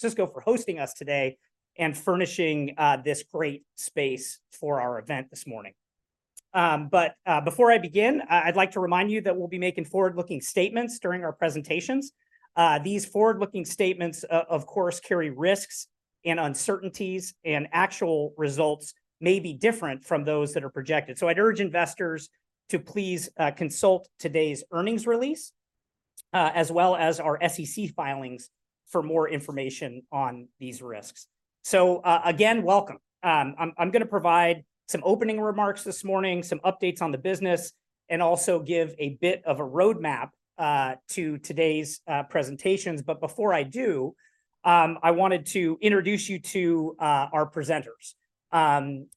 Francisco for hosting us today and furnishing this great space for our event this morning. But before I begin, I'd like to remind you that we'll be making forward-looking statements during our presentations. These forward-looking statements of course carry risks and uncertainties, and actual results may be different from those that are projected. So I'd urge investors to please consult today's earnings release as well as our SEC filings for more information on these risks. So again, welcome. I'm going to provide some opening remarks this morning, some updates on the business, and also give a bit of a roadmap to today's presentations. But before I do, I wanted to introduce you to our presenters.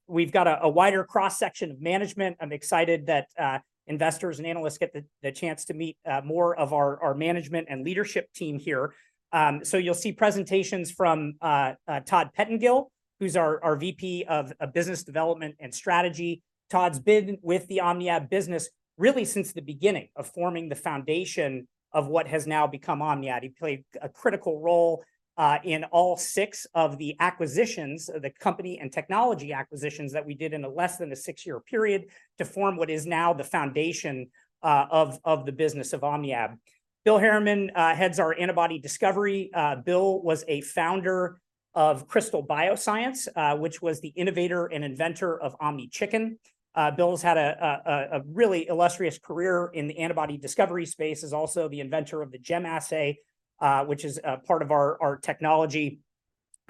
We've got a wider cross-section of management. I'm excited that investors and analysts get the chance to meet more of our management and leadership team here. So you'll see presentations from Todd Pettingill, who's our VP of Business Development and Strategy. Todd's been with the OmniAb business really since the beginning of forming the foundation of what has now become OmniAb. He played a critical role in all six of the acquisitions, the company and technology acquisitions, that we did in a less than a six-year period to form what is now the foundation of the business of OmniAb. Bill Harriman heads our Antibody Discovery. Bill was a founder of Crystal Bioscience, which was the innovator and inventor of OmniChicken. Bill has had a really illustrious career in the antibody discovery space, he's also the inventor of the GEM assay, which is a part of our technology.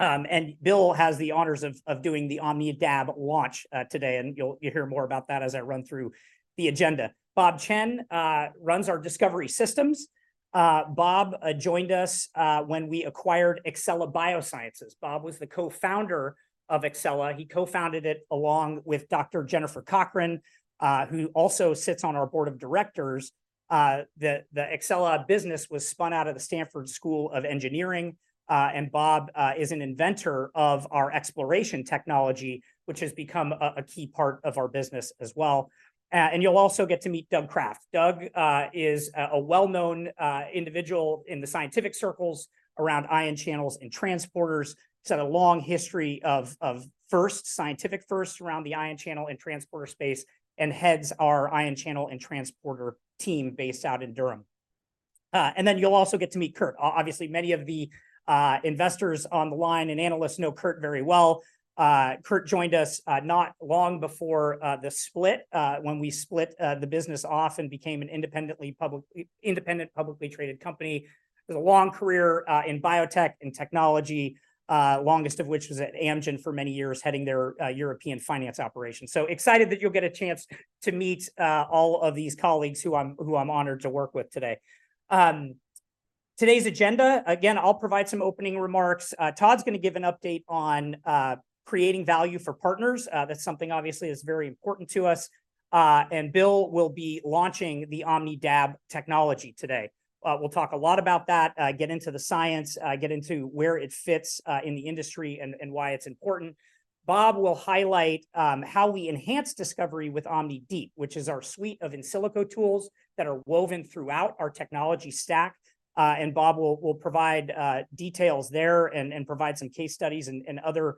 And Bill has the honors of doing the OmnidAb launch today, and you'll hear more about that as I run through the agenda. Bob Chen runs our Discovery Systems. Bob joined us when we acquired xCella Biosciences. Bob was the co-founder of xCella. He co-founded it along with Dr. Jennifer Cochran, who also sits on our board of directors. The xCella business was spun out of the Stanford School of Engineering, and Bob is an inventor of our xPloration technology, which has become a key part of our business as well. And you'll also get to meet Doug Krafte. Doug is a well-known individual in the scientific circles around ion channels and transporters. He's had a long history of firsts, scientific firsts around the ion channel and transporter space, and heads our ion channel and transporter team based out in Durham. And then you'll also get to meet Kurt. Obviously, many of the investors on the line and analysts know Kurt very well. Kurt joined us not long before the split, when we split the business off and became an independent, publicly traded company. With a long career in biotech and technology, longest of which was at Amgen for many years, heading their European finance operation. So excited that you'll get a chance to meet all of these colleagues who I'm honored to work with today. Today's agenda, again, I'll provide some opening remarks. Todd's going to give an update on creating value for partners. That's something obviously that's very important to us. Bill will be launching the OmnidAb technology today. We'll talk a lot about that, get into the science, get into where it fits in the industry, and why it's important. Bob will highlight how we enhance discovery with OmniDeep, which is our suite of in silico tools that are woven throughout our technology stack. Bob will provide details there and provide some case studies and other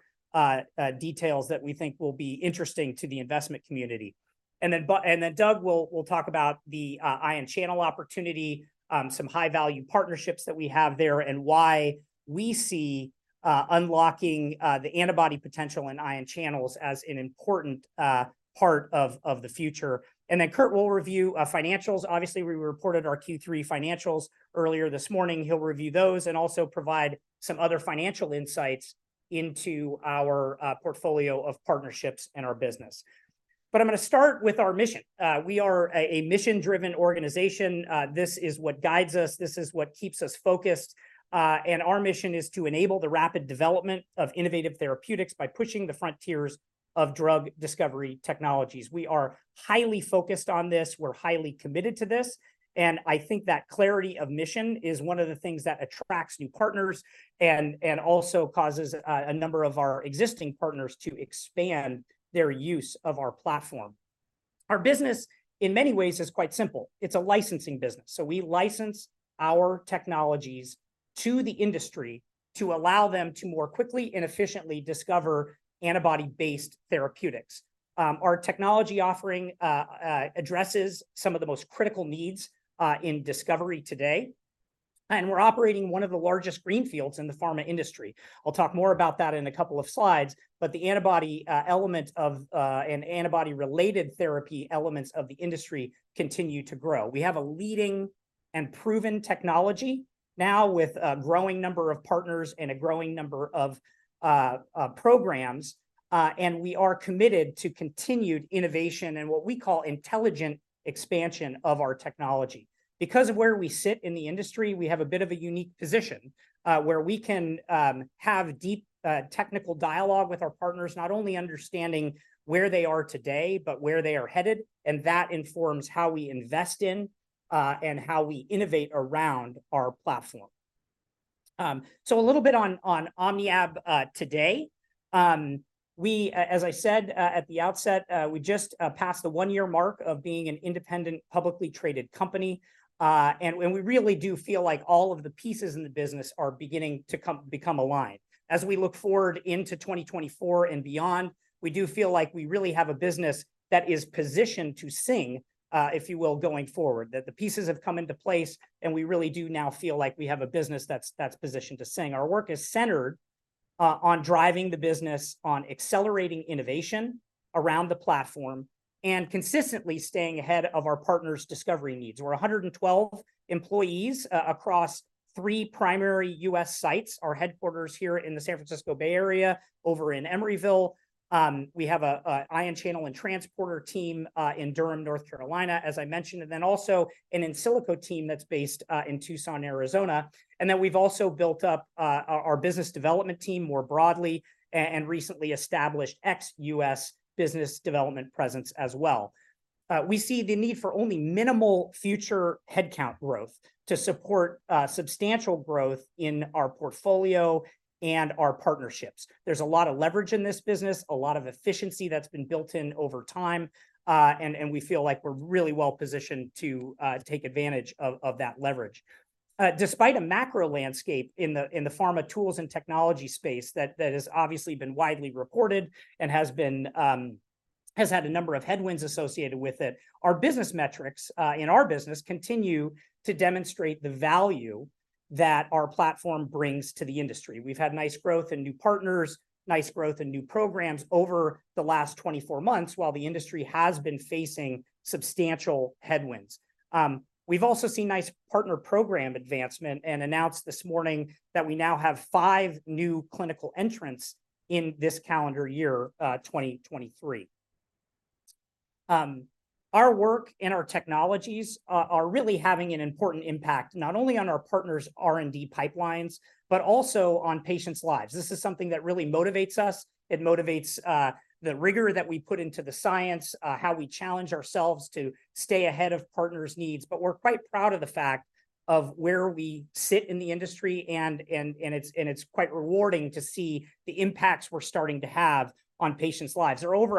details that we think will be interesting to the investment community. And then Doug will talk about the ion channel opportunity, some high-value partnerships that we have there, and why we see unlocking the antibody potential in ion channels as an important part of the future. And then Kurt will review financials. Obviously, we reported our Q3 financials earlier this morning. He'll review those and also provide some other financial insights into our portfolio of partnerships and our business. But I'm going to start with our mission. We are a mission-driven organization. This is what guides us, this is what keeps us focused, and our mission is to enable the rapid development of innovative therapeutics by pushing the frontiers of drug discovery technologies. We are highly focused on this, we're highly committed to this, and I think that clarity of mission is one of the things that attracts new partners and also causes a number of our existing partners to expand their use of our platform. Our business, in many ways, is quite simple. It's a licensing business, so we license our technologies to the industry to allow them to more quickly and efficiently discover antibody-based therapeutics. Our technology offering addresses some of the most critical needs in discovery today, and we're operating one of the largest greenfields in the pharma industry. I'll talk more about that in a couple of slides, but the antibody and antibody-related therapy elements of the industry continue to grow. We have a leading and proven technology, now with a growing number of partners and a growing number of programs, and we are committed to continued innovation and what we call intelligent expansion of our technology. Because of where we sit in the industry, we have a bit of a unique position, where we can have deep technical dialogue with our partners, not only understanding where they are today, but where they are headed, and that informs how we invest in, and how we innovate around our platform. So a little bit on OmniAb today. As I said at the outset, we just passed the one-year mark of being an independent, publicly traded company. We really do feel like all of the pieces in the business are beginning to become aligned. As we look forward into 2024 and beyond, we do feel like we really have a business that is positioned to sing, if you will, going forward, that the pieces have come into place, and we really do now feel like we have a business that's positioned to sing. Our work is centered on driving the business, on accelerating innovation around the platform, and consistently staying ahead of our partners' discovery needs. We're 112 employees across three primary U.S. sites, our headquarters here in the San Francisco Bay Area, over in Emeryville. We have an ion channel and transporter team in Durham, North Carolina, as I mentioned, and then also an in silico team that's based in Tucson, Arizona. We've also built up our business development team more broadly and recently established ex-US business development presence as well. We see the need for only minimal future headcount growth to support substantial growth in our portfolio and our partnerships. There's a lot of leverage in this business, a lot of efficiency that's been built in over time, and we feel like we're really well-positioned to take advantage of that leverage. Despite a macro landscape in the pharma tools and technology space that has obviously been widely reported and has been... has had a number of headwinds associated with it. Our business metrics in our business continue to demonstrate the value that our platform brings to the industry. We've had nice growth in new partners, nice growth in new programs over the last 24 months, while the industry has been facing substantial headwinds. We've also seen nice partner program advancement and announced this morning that we now have five new clinical entrants in this calendar year, 2023. Our work and our technologies are really having an important impact, not only on our partners' R&D pipelines, but also on patients' lives. This is something that really motivates us. It motivates the rigor that we put into the science, how we challenge ourselves to stay ahead of partners' needs, but we're quite proud of the fact of where we sit in the industry, and it's quite rewarding to see the impacts we're starting to have on patients' lives. There are over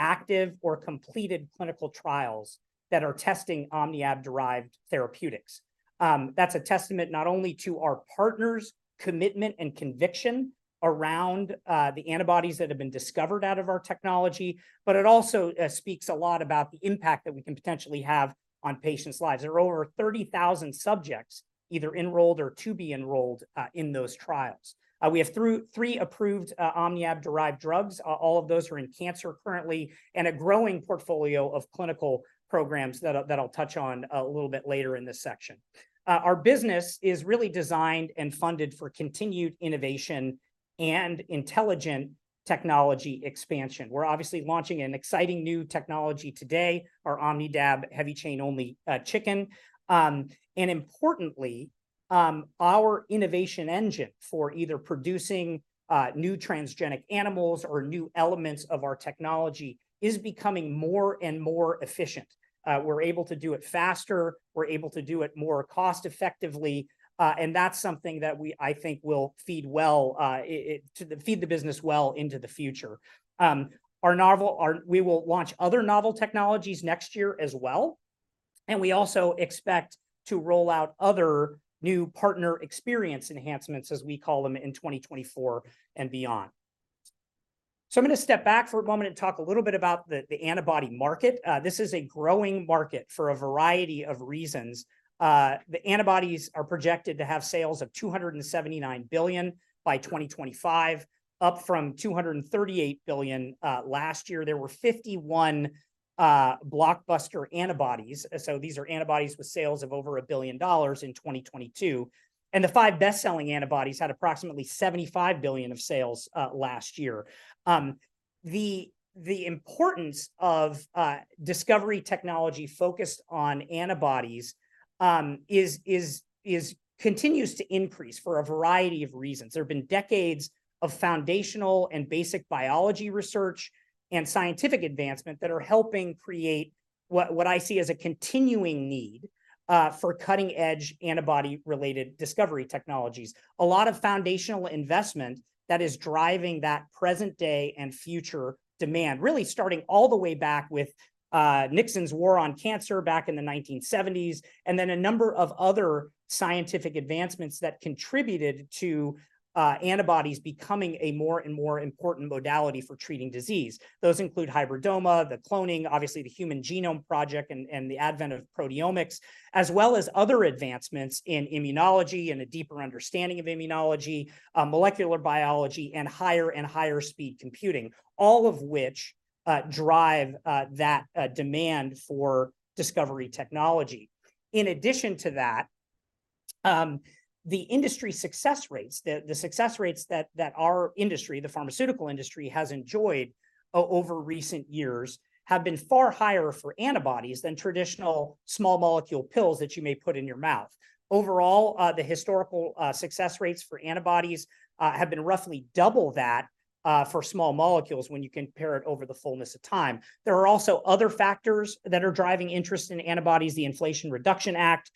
170 active or completed clinical trials that are testing OmniAb-derived therapeutics. That's a testament not only to our partners' commitment and conviction around the antibodies that have been discovered out of our technology, but it also speaks a lot about the impact that we can potentially have on patients' lives. There are over 30,000 subjects, either enrolled or to be enrolled, in those trials. We have three approved OmniAb-derived drugs, all of those are in cancer currently, and a growing portfolio of clinical programs that I'll touch on a little bit later in this section. Our business is really designed and funded for continued innovation and intelligent technology expansion. We're obviously launching an exciting new technology today, our OmnidAb heavy chain-only chicken. And importantly, our innovation engine for either producing new transgenic animals or new elements of our technology is becoming more and more efficient. We're able to do it faster, we're able to do it more cost-effectively, and that's something that I think will feed well, it to feed the business well into the future. We will launch other novel technologies next year as well, and we also expect to roll out other new partner experience enhancements, as we call them, in 2024 and beyond. So I'm going to step back for a moment and talk a little bit about the antibody market. This is a growing market for a variety of reasons. The antibodies are projected to have sales of $279 billion by 2025, up from $238 billion last year. There were 51 blockbuster antibodies, so these are antibodies with sales of over $1 billion in 2022, and the five best-selling antibodies had approximately $75 billion of sales last year. The importance of discovery technology focused on antibodies continues to increase for a variety of reasons. There have been decades of foundational and basic biology research and scientific advancement that are helping create what I see as a continuing need for cutting-edge antibody-related discovery technologies. A lot of foundational investment that is driving that present-day and future demand, really starting all the way back with Nixon's war on cancer back in the 1970s, and then a number of other scientific advancements that contributed to antibodies becoming a more and more important modality for treating disease. Those include hybridoma, the cloning, obviously the Human Genome Project, and the advent of proteomics, as well as other advancements in immunology and a deeper understanding of immunology, molecular biology, and higher and higher speed computing, all of which drive that demand for discovery technology. In addition to that, the industry success rates, the success rates that our industry, the pharmaceutical industry, has enjoyed over recent years, have been far higher for antibodies than traditional small molecule pills that you may put in your mouth. Overall, the historical success rates for antibodies have been roughly double that for small molecules when you compare it over the fullness of time. There are also other factors that are driving interest in antibodies. The Inflation Reduction Act,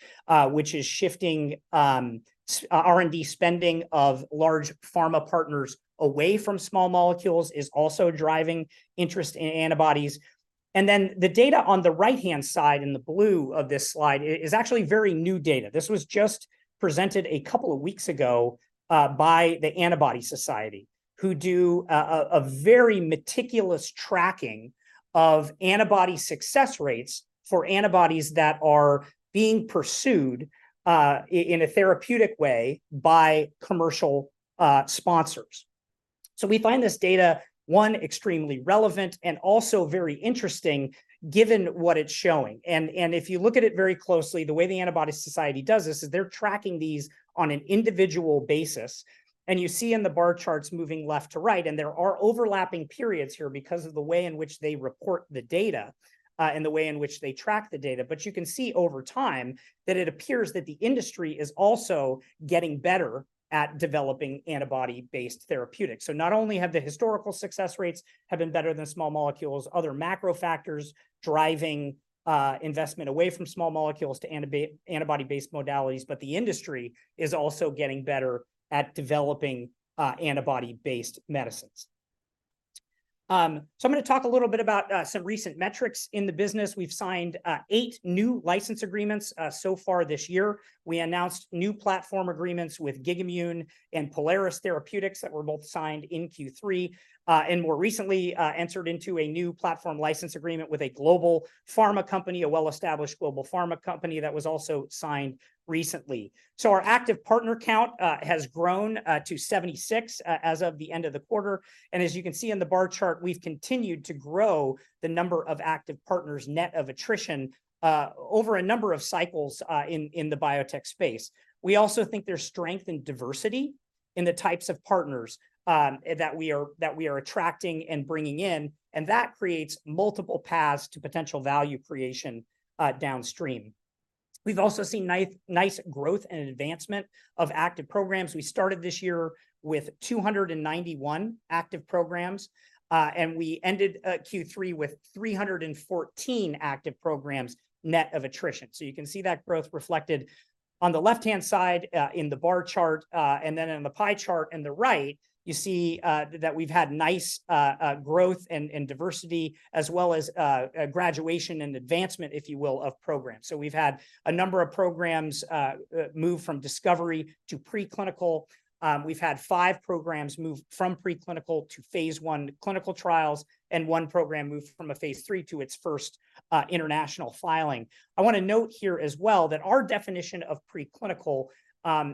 which is shifting R&D spending of large pharma partners away from small molecules, is also driving interest in antibodies. And then the data on the right-hand side in the blue of this slide is actually very new data. This was just presented a couple of weeks ago by the Antibody Society, who do a very meticulous tracking of antibody success rates for antibodies that are being pursued in a therapeutic way by commercial sponsors. So we find this data extremely relevant, and also very interesting, given what it's showing. If you look at it very closely, the way the Antibody Society does this is they're tracking these on an individual basis, and you see in the bar charts moving left to right, and there are overlapping periods here because of the way in which they report the data and the way in which they track the data. But you can see over time that it appears that the industry is also getting better at developing antibody-based therapeutics. So not only have the historical success rates have been better than small molecules, other macro factors driving investment away from small molecules to antibody-based modalities, but the industry is also getting better at developing antibody-based medicines. So I'm going to talk a little bit about some recent metrics in the business. We've signed eight new license agreements so far this year. We announced new platform agreements with GigaMune and Pluristyx that were both signed in Q3. And more recently entered into a new platform license agreement with a global pharma company, a well-established global pharma company that was also signed recently. So our active partner count has grown to 76 as of the end of the quarter. As you can see in the bar chart, we've continued to grow the number of active partners net of attrition over a number of cycles in the biotech space. We also think there's strength in diversity in the types of partners that we are attracting and bringing in, and that creates multiple paths to potential value creation downstream. We've also seen nice growth and advancement of active programs. We started this year with 291 active programs, and we ended Q3 with 314 active programs, net of attrition. You can see that growth reflected on the left-hand side in the bar chart. And then in the pie chart on the right, you see that we've had nice growth and diversity, as well as a graduation and advancement, if you will, of programs. So we've had a number of programs move from discovery to preclinical. We've had five programs move from preclinical to phase I clinical trials, and one program moved from a phase III to its first international filing. I want to note here as well that our definition of preclinical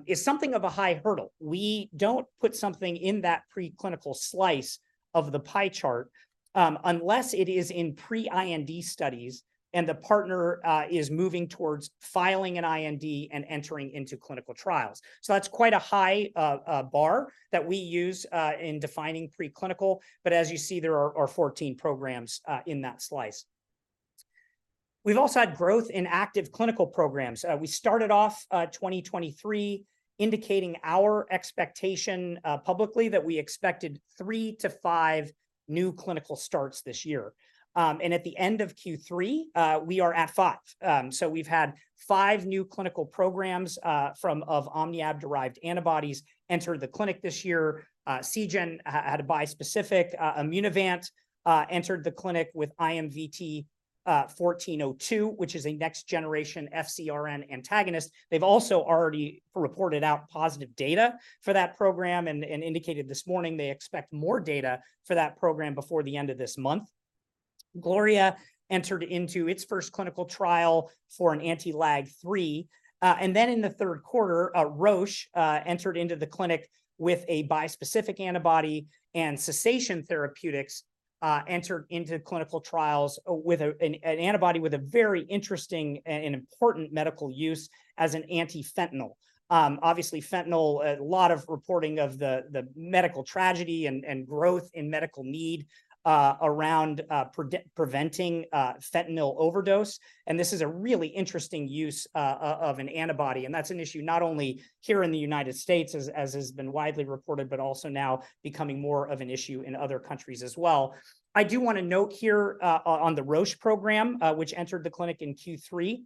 is something of a high hurdle. We don't put something in that preclinical slice of the pie chart unless it is in pre-IND studies and the partner is moving towards filing an IND and entering into clinical trials. So that's quite a high bar that we use in defining preclinical, but as you see, there are 14 programs in that slice. We've also had growth in active clinical programs. We started off 2023, indicating our expectation publicly, that we expected 3-5 new clinical starts this year. And at the end of Q3, we are at 5. So we've had 5 new clinical programs from OmniAb-derived antibodies, entered the clinic this year. Seagen had a bispecific, Immunovant entered the clinic with IMVT-1402, which is a next-generation FcRn antagonist. They've also already reported out positive data for that program and indicated this morning they expect more data for that program before the end of this month. Gloria entered into its first clinical trial for an anti-LAG-3. And then in the third quarter, Roche entered into the clinic with a bispecific antibody, and Cessation Therapeutics entered into clinical trials with an antibody with a very interesting and important medical use as an anti-fentanyl. Obviously, fentanyl, a lot of reporting of the medical tragedy and growth in medical need around preventing fentanyl overdose, and this is a really interesting use of an antibody. And that's an issue not only here in the United States, as has been widely reported, but also now becoming more of an issue in other countries as well. I do want to note here, on the Roche program, which entered the clinic in Q3,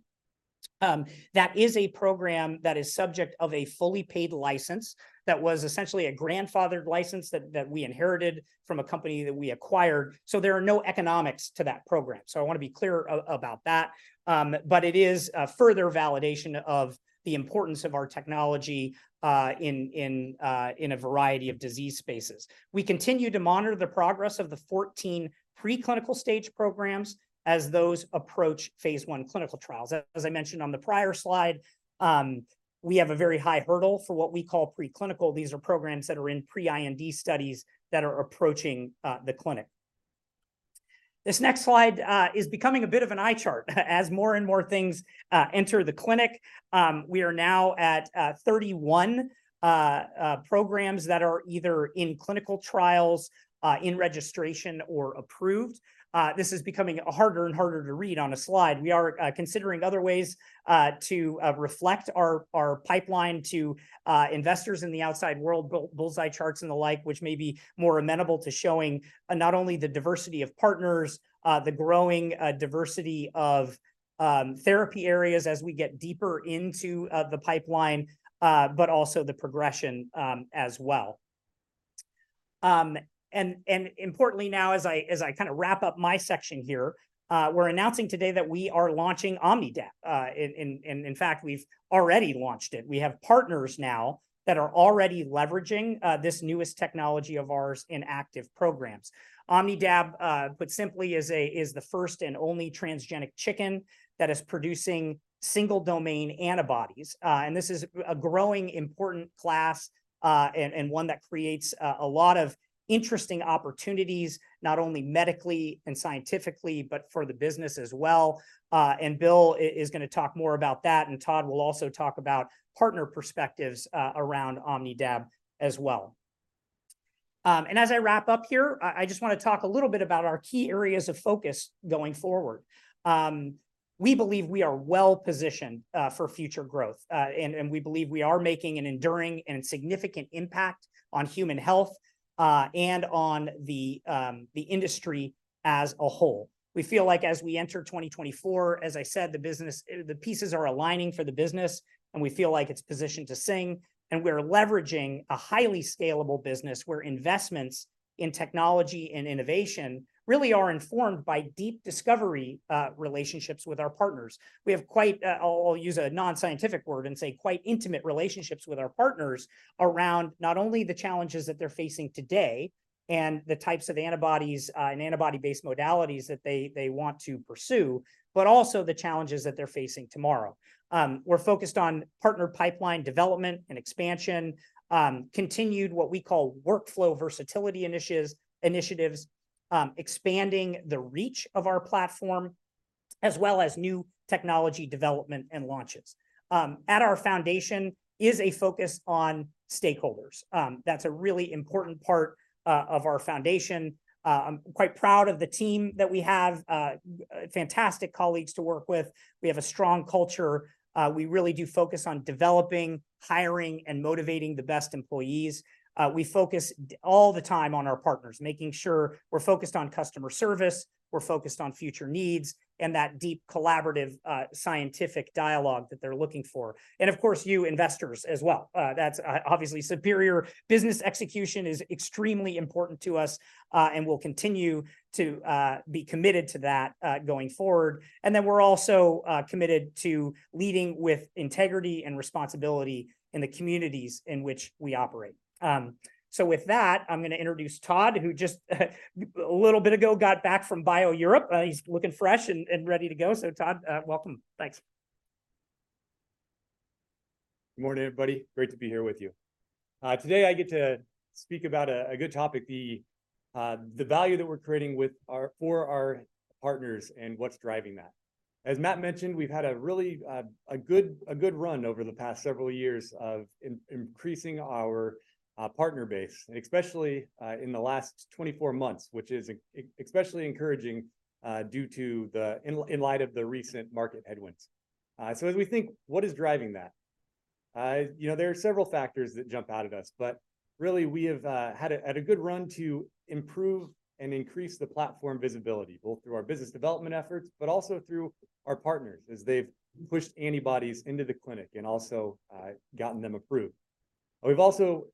that is a program that is subject of a fully paid license that was essentially a grandfathered license that we inherited from a company that we acquired, so there are no economics to that program. So I want to be clear about that. But it is a further validation of the importance of our technology in a variety of disease spaces. We continue to monitor the progress of the 14 preclinical stage programs as those approach phase I clinical trials. As I mentioned on the prior slide, we have a very high hurdle for what we call preclinical. These are programs that are in pre-IND studies that are approaching the clinic. This next slide is becoming a bit of an eye chart as more and more things enter the clinic. We are now at 31 programs that are either in clinical trials, in registration or approved. This is becoming harder and harder to read on a slide. We are considering other ways to reflect our pipeline to investors in the outside world, bullseye charts and the like, which may be more amenable to showing not only the diversity of partners, the growing diversity of therapy areas as we get deeper into the pipeline, but also the progression as well.... And importantly now, as I kind of wrap up my section here, we're announcing today that we are launching OmnidAb. In fact, we've already launched it. We have partners now that are already leveraging this newest technology of ours in active programs. OmnidAb, put simply, is the first and only transgenic chicken that is producing single-domain antibodies. And this is a growing important class, and one that creates a lot of interesting opportunities, not only medically and scientifically, but for the business as well. And Bill is going to talk more about that, and Todd will also talk about partner perspectives around OmnidAb as well. And as I wrap up here, I just want to talk a little bit about our key areas of focus going forward. We believe we are well positioned for future growth, and we believe we are making an enduring and significant impact on human health, and on the industry as a whole. We feel like as we enter 2024, as I said, the business—the pieces are aligning for the business, and we feel like it's positioned to sing, and we're leveraging a highly scalable business, where investments in technology and innovation really are informed by deep discovery relationships with our partners. We have quite, I'll use a non-scientific word and say, quite intimate relationships with our partners around not only the challenges that they're facing today and the types of antibodies and antibody-based modalities that they want to pursue, but also the challenges that they're facing tomorrow. We're focused on partner pipeline development and expansion, continued what we call workflow versatility initiatives, expanding the reach of our platform, as well as new technology development and launches. At our foundation is a focus on stakeholders. That's a really important part of our foundation. I'm quite proud of the team that we have, fantastic colleagues to work with. We have a strong culture. We really do focus on developing, hiring, and motivating the best employees. We focus all the time on our partners, making sure we're focused on customer service, we're focused on future needs, and that deep, collaborative scientific dialogue that they're looking for. And of course, you investors as well. That's obviously superior business execution is extremely important to us, and we'll continue to be committed to that going forward. And then we're also committed to leading with integrity and responsibility in the communities in which we operate. So with that, I'm going to introduce Todd, who just a little bit ago got back from BIO-Europe. He's looking fresh and ready to go. So Todd, welcome. Thanks. Good morning, everybody. Great to be here with you. Today I get to speak about a good topic, the value that we're creating with our—for our partners and what's driving that. As Matt mentioned, we've had a really, a good run over the past several years of increasing our partner base, and especially in the last 24 months, which is especially encouraging due to the... in light of the recent market headwinds. So as we think, what is driving that? You know, there are several factors that jump out at us, but really, we have had a good run to improve and increase the platform visibility, both through our business development efforts, but also through our partners, as they've pushed antibodies into the clinic and also gotten them approved. We've also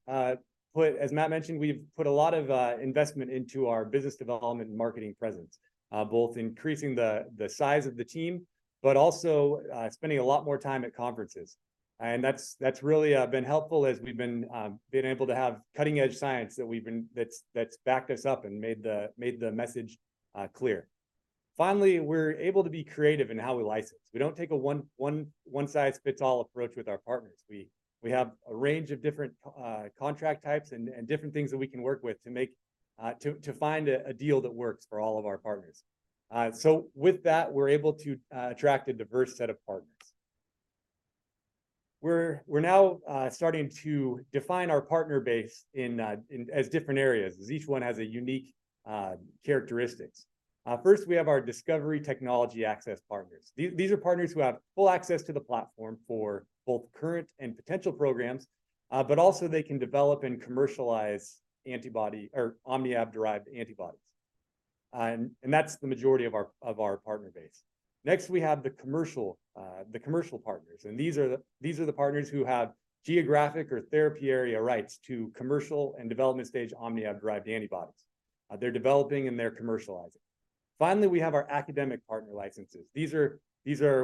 put, as Matt mentioned, we've put a lot of investment into our business development and marketing presence, both increasing the size of the team, but also spending a lot more time at conferences. And that's really been helpful as we've been able to have cutting-edge science that's backed us up and made the message clear. Finally, we're able to be creative in how we license. We don't take a one-size-fits-all approach with our partners. We have a range of different contract types and different things that we can work with to make to find a deal that works for all of our partners. So with that, we're able to attract a diverse set of partners. We're now starting to define our partner base in as different areas, as each one has a unique characteristics. First, we have our discovery technology access partners. These are partners who have full access to the platform for both current and potential programs, but also they can develop and commercialize antibody or OmniAb-derived antibodies. And that's the majority of our partner base. Next, we have the commercial partners, and these are the partners who have geographic or therapy area rights to commercial and development stage OmniAb-derived antibodies. They're developing, and they're commercializing. Finally, we have our academic partner licenses. These are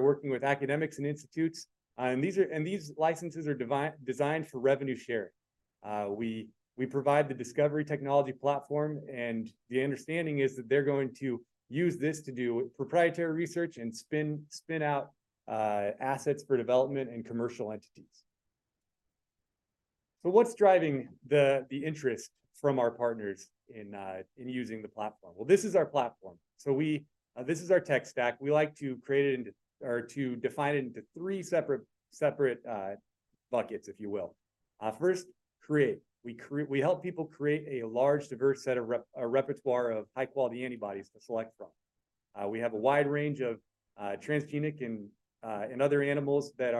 working with academics and institutes, and these licenses are designed for revenue sharing. We provide the discovery technology platform, and the understanding is that they're going to use this to do proprietary research and spin out assets for development and commercial entities. So what's driving the interest from our partners in using the platform? Well, this is our platform. So we, this is our tech stack. We like to create it into, or to define it into three separate buckets, if you will. First, create. We help people create a large, diverse set of a repertoire of high-quality antibodies to select from. We have a wide range of transgenic and other animals that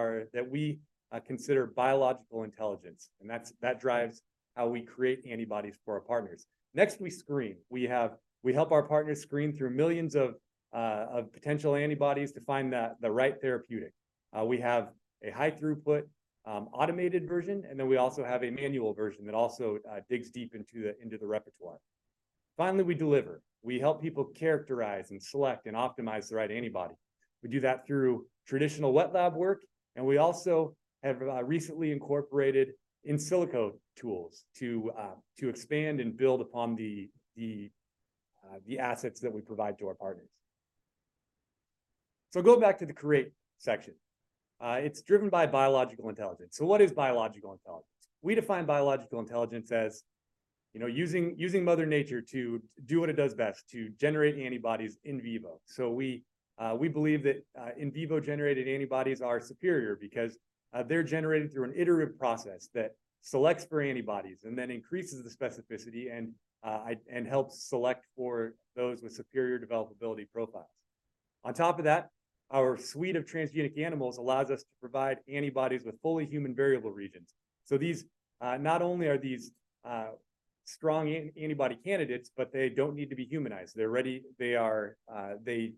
we consider biological intelligence, and that drives how we create antibodies for our partners. Next, we screen. We help our partners screen through millions of potential antibodies to find the right therapeutic. We have a high-throughput automated version, and then we also have a manual version that also digs deep into the repertoire. Finally, we deliver. We help people characterize and select and optimize the right antibody. We do that through traditional wet lab work, and we also have recently incorporated in silico tools to expand and build upon the assets that we provide to our partners. So going back to the create section. It's driven by Biological Intelligence. So what is Biological Intelligence? We define Biological Intelligence as, you know, using Mother Nature to do what it does best: to generate antibodies in vivo. So we believe that in vivo-generated antibodies are superior because they're generated through an iterative process that selects for antibodies and then increases the specificity and helps select for those with superior developability profiles. On top of that, our suite of transgenic animals allows us to provide antibodies with fully human variable regions. So these not only are these strong antibody candidates, but they don't need to be humanized. They're ready. They are, they've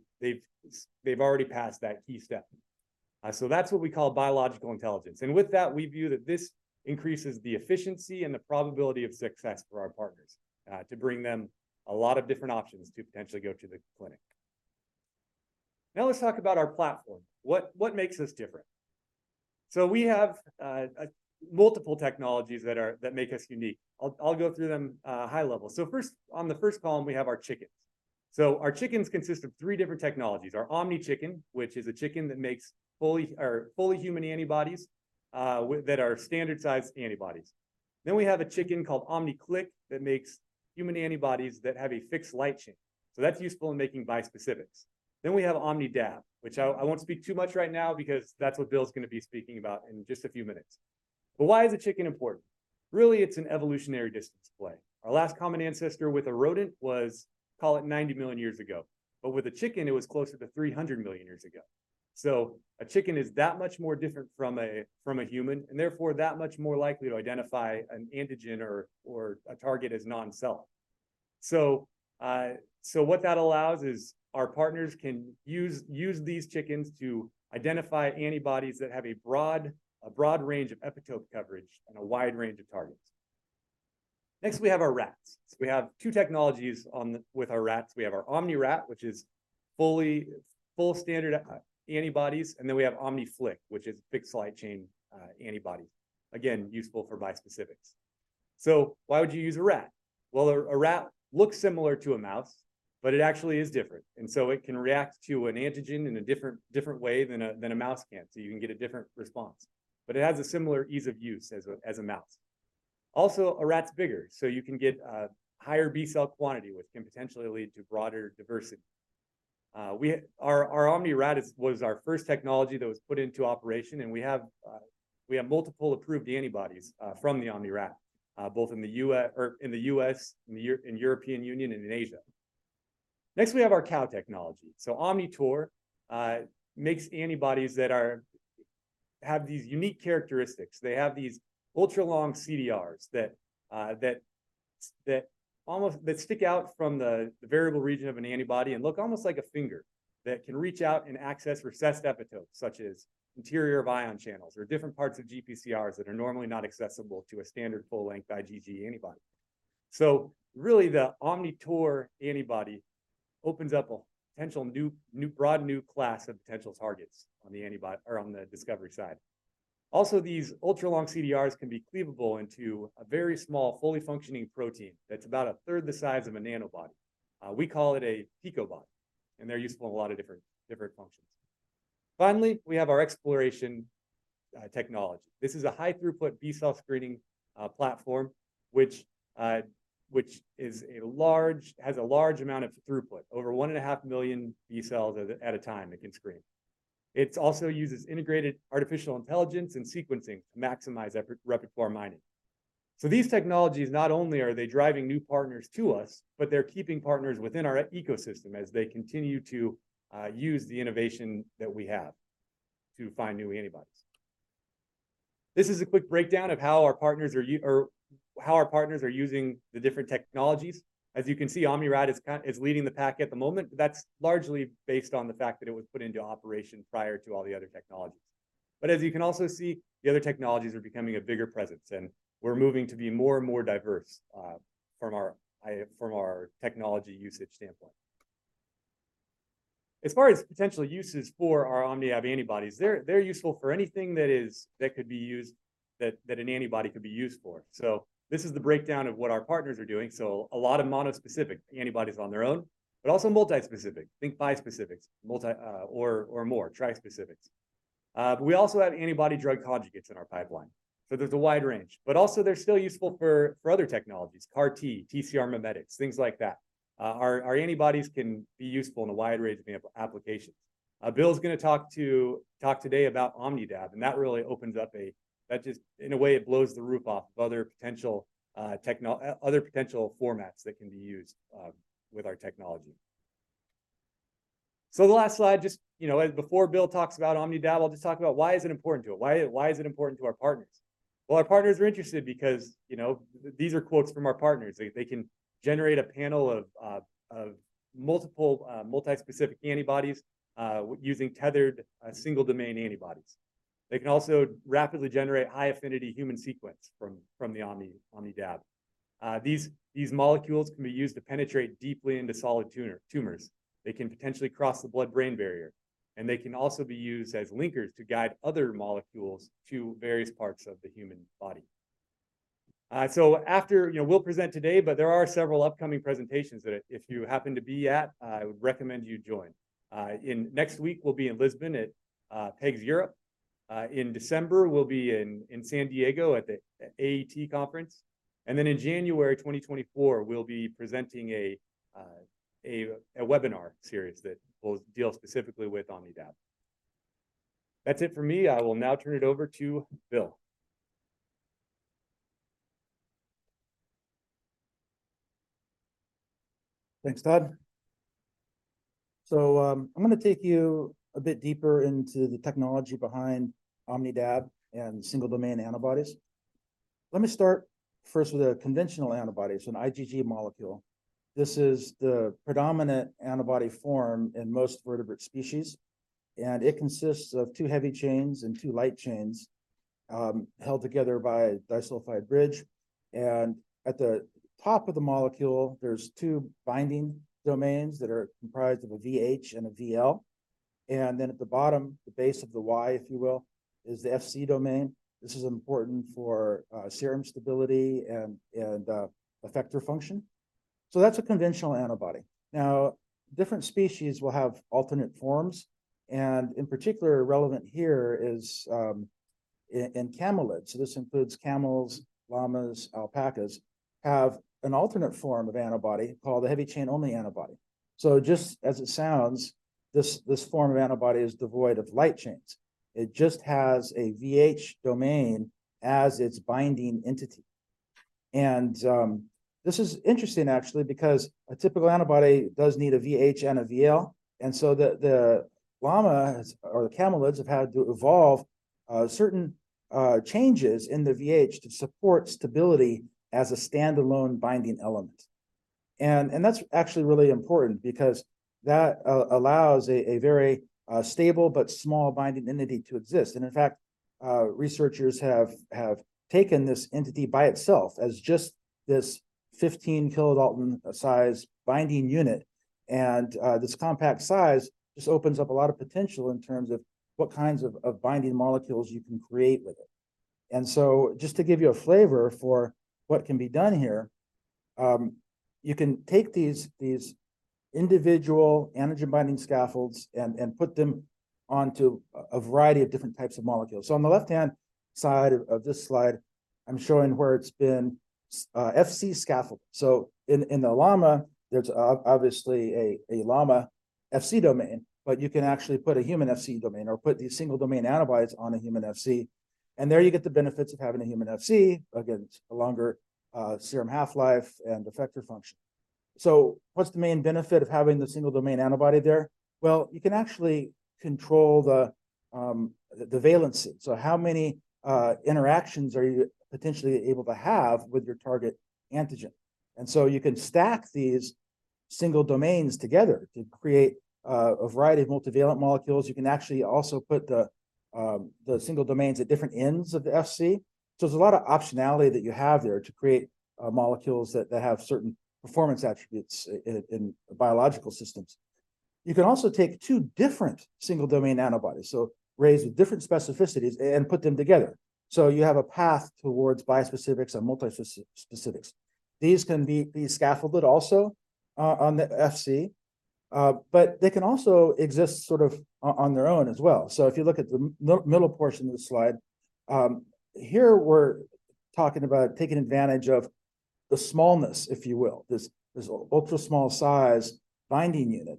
already passed that key step. So that's what we call Biological Intelligence. And with that, we view that this increases the efficiency and the probability of success for our partners to bring them a lot of different options to potentially go to the clinic. Now, let's talk about our platform. What makes us different? So we have multiple technologies that are, that make us unique. I'll go through them high level. So first, on the first column, we have our chickens. So our chickens consist of three different technologies. Our OmniChicken, which is a chicken that makes fully or fully human antibodies that are standard-sized antibodies. Then we have a chicken called OmniClic that makes human antibodies that have a fixed light chain, so that's useful in making bispecifics. Then we have OmnidAb, which I won't speak too much right now because that's what Bill's going to be speaking about in just a few minutes. But why is a chicken important? Really, it's an evolutionary distance play. Our last common ancestor with a rodent was, call it, 90 million years ago, but with a chicken, it was closer to 300 million years ago. So a chicken is that much more different from a human, and therefore, that much more likely to identify an antigen or a target as non-self. So what that allows is our partners can use these chickens to identify antibodies that have a broad range of epitope coverage and a wide range of targets. Next, we have our rats. So we have two technologies with our rats. We have our OmniRat, which is fully human antibodies, and then we have OmniFlic, which is fixed light chain antibodies. Again, useful for bispecifics. So why would you use a rat? Well, a rat looks similar to a mouse, but it actually is different, and so it can react to an antigen in a different way than a mouse can. So you can get a different response. But it has a similar ease of use as a mouse. Also, a rat's bigger, so you can get higher B-cell quantity, which can potentially lead to broader diversity. Our OmniRat was our first technology that was put into operation, and we have multiple approved antibodies from the OmniRat, both in the US or in the European Union and in Asia. Next, we have our cow technology. So OmniTaur makes antibodies that are... have these unique characteristics. They have these ultra-long CDRs that, that almost, that stick out from the, the variable region of an antibody and look almost like a finger, that can reach out and access recessed epitopes, such as interior of ion channels or different parts of GPCRs that are normally not accessible to a standard full-length IgG antibody. So really, the OmniTaur antibody opens up a potential, new, new, broad, new class of potential targets on the antibi- or on the discovery side. Also, these ultra-long CDRs can be cleavable into a very small, fully functioning protein that's about a third the size of a nanobody. We call it a Picobody, and they're useful in a lot of different, different functions. Finally, we have our xPloration technology. This is a high-throughput B-cell screening platform, which is a large--has a large amount of throughput, over 1.5 million B-cells at a time it can screen. It also uses integrated artificial intelligence and sequencing to maximize repertoire mining. So these technologies, not only are they driving new partners to us, but they're keeping partners within our ecosystem as they continue to use the innovation that we have to find new antibodies. This is a quick breakdown of how our partners are using the different technologies. As you can see, OmniRat is leading the pack at the moment. That's largely based on the fact that it was put into operation prior to all the other technologies. But as you can also see, the other technologies are becoming a bigger presence, and we're moving to be more and more diverse from our technology usage standpoint. As far as potential uses for our OmniAb antibodies, they're useful for anything that could be used that an antibody could be used for. So this is the breakdown of what our partners are doing. So a lot of monospecific antibodies on their own, but also multispecific. Think bispecifics, multi or more trispecifics. But we also have antibody drug conjugates in our pipeline, so there's a wide range. But also, they're still useful for other technologies, CAR-T, TCR mimetics, things like that. Our antibodies can be useful in a wide range of applications. Bill's going to talk today about OmnidAb, and that really opens up a... that just, in a way, it blows the roof off of other potential formats that can be used with our technology. So the last slide, just, you know, before Bill talks about OmnidAb, I'll just talk about why is it important to us? Why, why is it important to our partners?... Well, our partners are interested because, you know, these are quotes from our partners. They, they can generate a panel of multiple multispecific antibodies using tethered single-domain antibodies. They can also rapidly generate high-affinity human sequence from the Omni, OmnidAb. These, these molecules can be used to penetrate deeply into solid tumors. They can potentially cross the blood-brain barrier, and they can also be used as linkers to guide other molecules to various parts of the human body. So after, you know, we'll present today, but there are several upcoming presentations that if you happen to be at, I would recommend you join. In next week, we'll be in Lisbon at PEGS Europe. In December, we'll be in San Diego at the AET conference. And then in January twenty twenty-four, we'll be presenting a webinar series that will deal specifically with OmnidAb. That's it for me. I will now turn it over to Bill. Thanks, Todd. So, I'm going to take you a bit deeper into the technology behind OmnidAb and single-domain antibodies. Let me start first with a conventional antibody, so an IgG molecule. This is the predominant antibody form in most vertebrate species, and it consists of 2 heavy chains and 2 light chains, held together by a disulfide bridge. And at the top of the molecule, there's 2 binding domains that are comprised of a VH and a VL. And then at the bottom, the base of the Y, if you will, is the Fc domain. This is important for serum stability and effector function. So that's a conventional antibody. Now, different species will have alternate forms, and in particular, relevant here is in camelids. So this includes camels, llamas, alpacas, have an alternate form of antibody called the heavy chain-only antibody. So just as it sounds, this form of antibody is devoid of light chains. It just has a VH domain as its binding entity. And this is interesting actually, because a typical antibody does need a VH and a VL. And so the llamas or the camelids have had to evolve certain changes in the VH to support stability as a standalone binding entity. And that's actually really important because that allows a very stable but small binding entity to exist. And in fact, researchers have taken this entity by itself as just this 15-kilodalton size binding unit. And this compact size just opens up a lot of potential in terms of what kinds of binding molecules you can create with it. Just to give you a flavor for what can be done here, you can take these individual antigen-binding scaffolds and put them onto a variety of different types of molecules. On the left-hand side of this slide, I'm showing where it's been Fc scaffold. In the llama, there's obviously a llama Fc domain, but you can actually put a human Fc domain or put these single-domain antibodies on a human Fc, and there you get the benefits of having a human Fc. Again, a longer serum half-life and effector function. What's the main benefit of having the single-domain antibody there? Well, you can actually control the valency. How many interactions are you potentially able to have with your target antigen? So you can stack these single-domain domains together to create a variety of multivalent molecules. You can actually also put the single domains at different ends of the Fc. So there's a lot of optionality that you have there to create molecules that have certain performance attributes in biological systems. You can also take two different single-domain antibodies, so raised with different specificities, and put them together. So you have a path towards bispecifics and multispecifics. These can be scaffolded also on the Fc, but they can also exist sort of on their own as well. So if you look at the middle portion of the slide, here, we're talking about taking advantage of the smallness, if you will, this ultra-small size binding unit.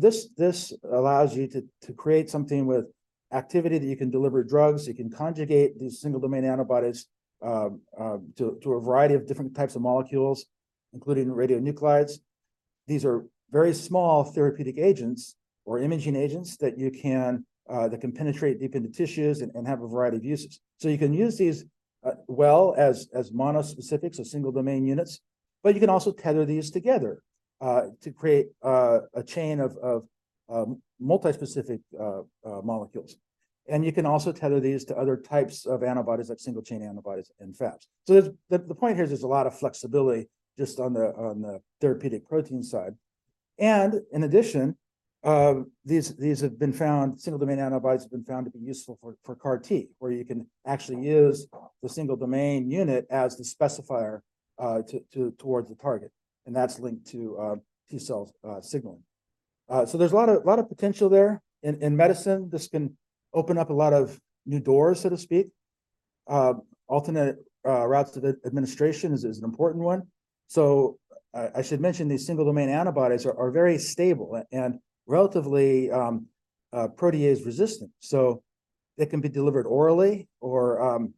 This allows you to create something with activity that you can deliver drugs. You can conjugate these single-domain antibodies to a variety of different types of molecules, including radionuclides. These are very small therapeutic agents or imaging agents that you can... that can penetrate deep into tissues and have a variety of uses. So you can use these, well, as monospecifics or single-domain units, but you can also tether these together to create a chain of multispecific molecules. And you can also tether these to other types of antibodies, like single-chain antibodies and Fabs. So the point here is there's a lot of flexibility just on the therapeutic protein side. In addition, these single-domain antibodies have been found to be useful for CAR T, where you can actually use the single-domain unit as the specifier to toward the target, and that's linked to T cells signaling. So there's a lot of potential there in medicine. This can open up a lot of new doors, so to speak. Alternate routes to the administration is an important one. So I should mention, these single-domain antibodies are very stable and relatively protease-resistant, so they can be delivered orally or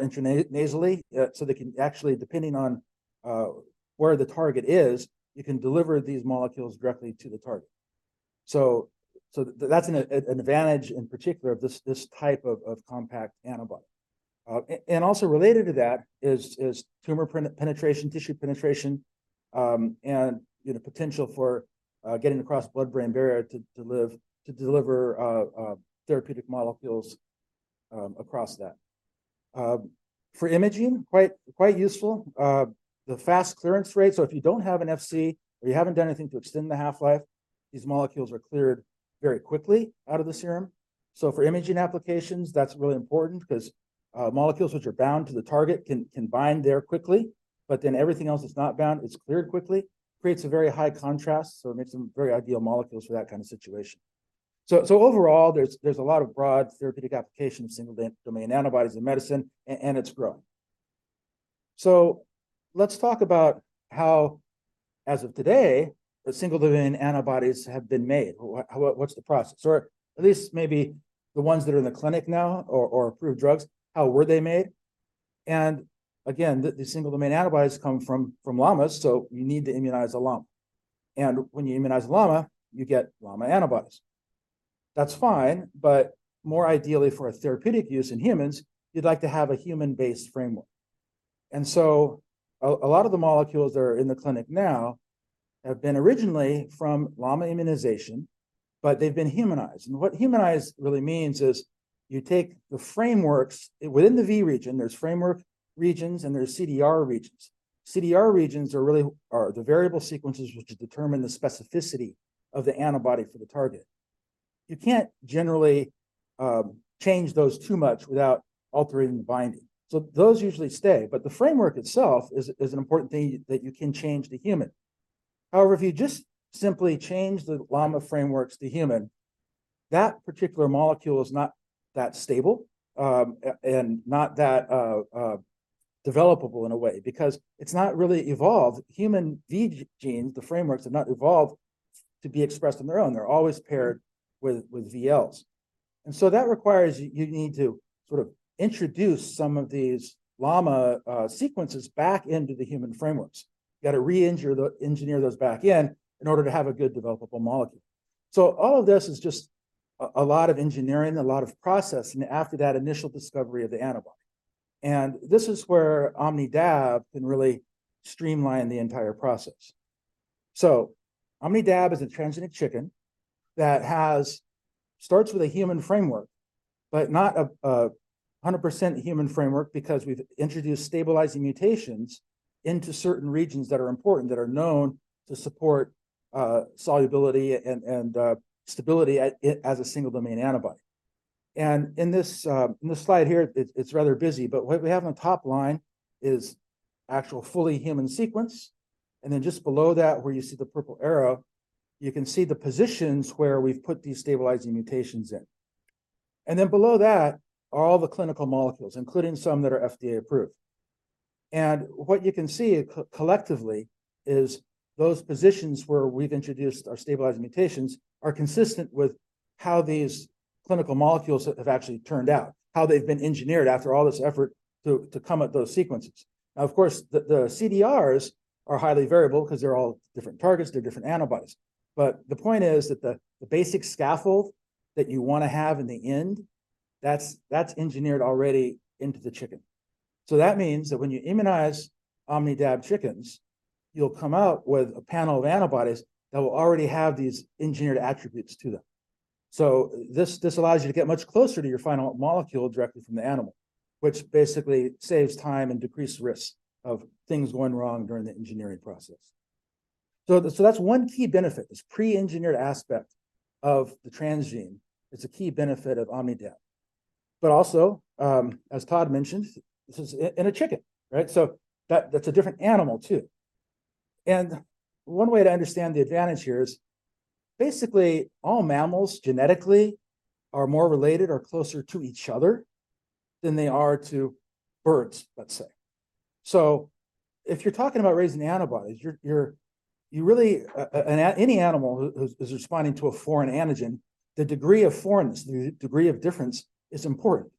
intra-nasally. So they can actually, depending on where the target is, you can deliver these molecules directly to the target. So that's an advantage in particular of this type of compact antibody. And also related to that is tumor penetration, tissue penetration, and, you know, potential for getting across the blood-brain barrier to deliver therapeutic molecules across that. For imaging, quite useful. The fast clearance rate, so if you don't have an Fc or you haven't done anything to extend the half-life, these molecules are cleared very quickly out of the serum. So for imaging applications, that's really important because molecules which are bound to the target can bind there quickly, but then everything else that's not bound, it's cleared quickly, creates a very high contrast, so it makes them very ideal molecules for that kind of situation. So overall, there's a lot of broad therapeutic applications of single-domain antibodies in medicine, and it's growing. So let's talk about how, as of today, the single-domain antibodies have been made. What, what's the process? Or at least maybe the ones that are in the clinic now or approved drugs, how were they made? And again, the single-domain antibodies come from llamas, so you need to immunize a llama. And when you immunize a llama, you get llama antibodies. That's fine, but more ideally for a therapeutic use in humans, you'd like to have a human-based framework. And so a lot of the molecules that are in the clinic now have been originally from llama immunization, but they've been humanized. And what humanized really means is you take the frameworks... Within the V region, there's framework regions and there's CDR regions. CDR regions are really are the variable sequences which determine the specificity of the antibody for the target. You can't generally change those too much without altering the binding, so those usually stay. But the framework itself is an important thing that you can change to human. However, if you just simply change the llama frameworks to human, that particular molecule is not that stable and not that developable in a way, because it's not really evolved. Human V genes, the frameworks, have not evolved to be expressed on their own. They're always paired with VLs. And so that requires you need to sort of introduce some of these llama sequences back into the human frameworks. You've got to re-engineer those back in in order to have a good developable molecule. So all of this is just a lot of engineering, a lot of processing after that initial discovery of the antibody. This is where OmnidAb can really streamline the entire process. OmnidAb is a transgenic chicken that starts with a human framework, but not a 100% human framework because we've introduced stabilizing mutations into certain regions that are important, that are known to support solubility and stability as a single-domain antibody. In this slide here, it's rather busy, but what we have on the top line is actual fully human sequence, and then just below that, where you see the purple arrow, you can see the positions where we've put these stabilizing mutations in. Below that are all the clinical molecules, including some that are FDA-approved. What you can see collectively is those positions where we've introduced our stabilizing mutations are consistent with how these clinical molecules have actually turned out, how they've been engineered after all this effort to, to come at those sequences. Now, of course, the, the CDRs are highly variable because they're all different targets, they're different antibodies. But the point is that the, the basic scaffold that you wanna have in the end, that's, that's engineered already into the chicken. So that means that when you immunize OmnidAb chickens, you'll come out with a panel of antibodies that will already have these engineered attributes to them. So this, this allows you to get much closer to your final molecule directly from the animal, which basically saves time and decreases risk of things going wrong during the engineering process. So, that's one key benefit, this pre-engineered aspect of the transgene. It's a key benefit of OmnidAb. But also, as Todd mentioned, this is in a chicken, right? So that's a different animal, too. And one way to understand the advantage here is basically, all mammals, genetically, are more related or closer to each other than they are to birds, let's say. So if you're talking about raising antibodies, you really any animal who's responding to a foreign antigen, the degree of foreignness, the degree of difference is important.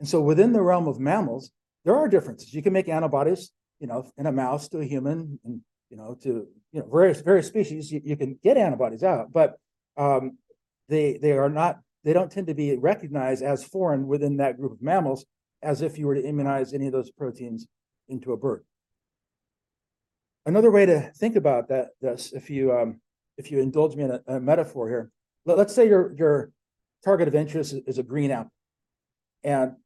And so within the realm of mammals, there are differences. You can make antibodies, you know, in a mouse to a human, and you know to you know various species. You can get antibodies out, but they are not- they don't tend to be recognized as foreign within that group of mammals, as if you were to immunize any of those proteins into a bird. Another way to think about that, this, if you indulge me in a metaphor here. Let's say your target of interest is a green apple, and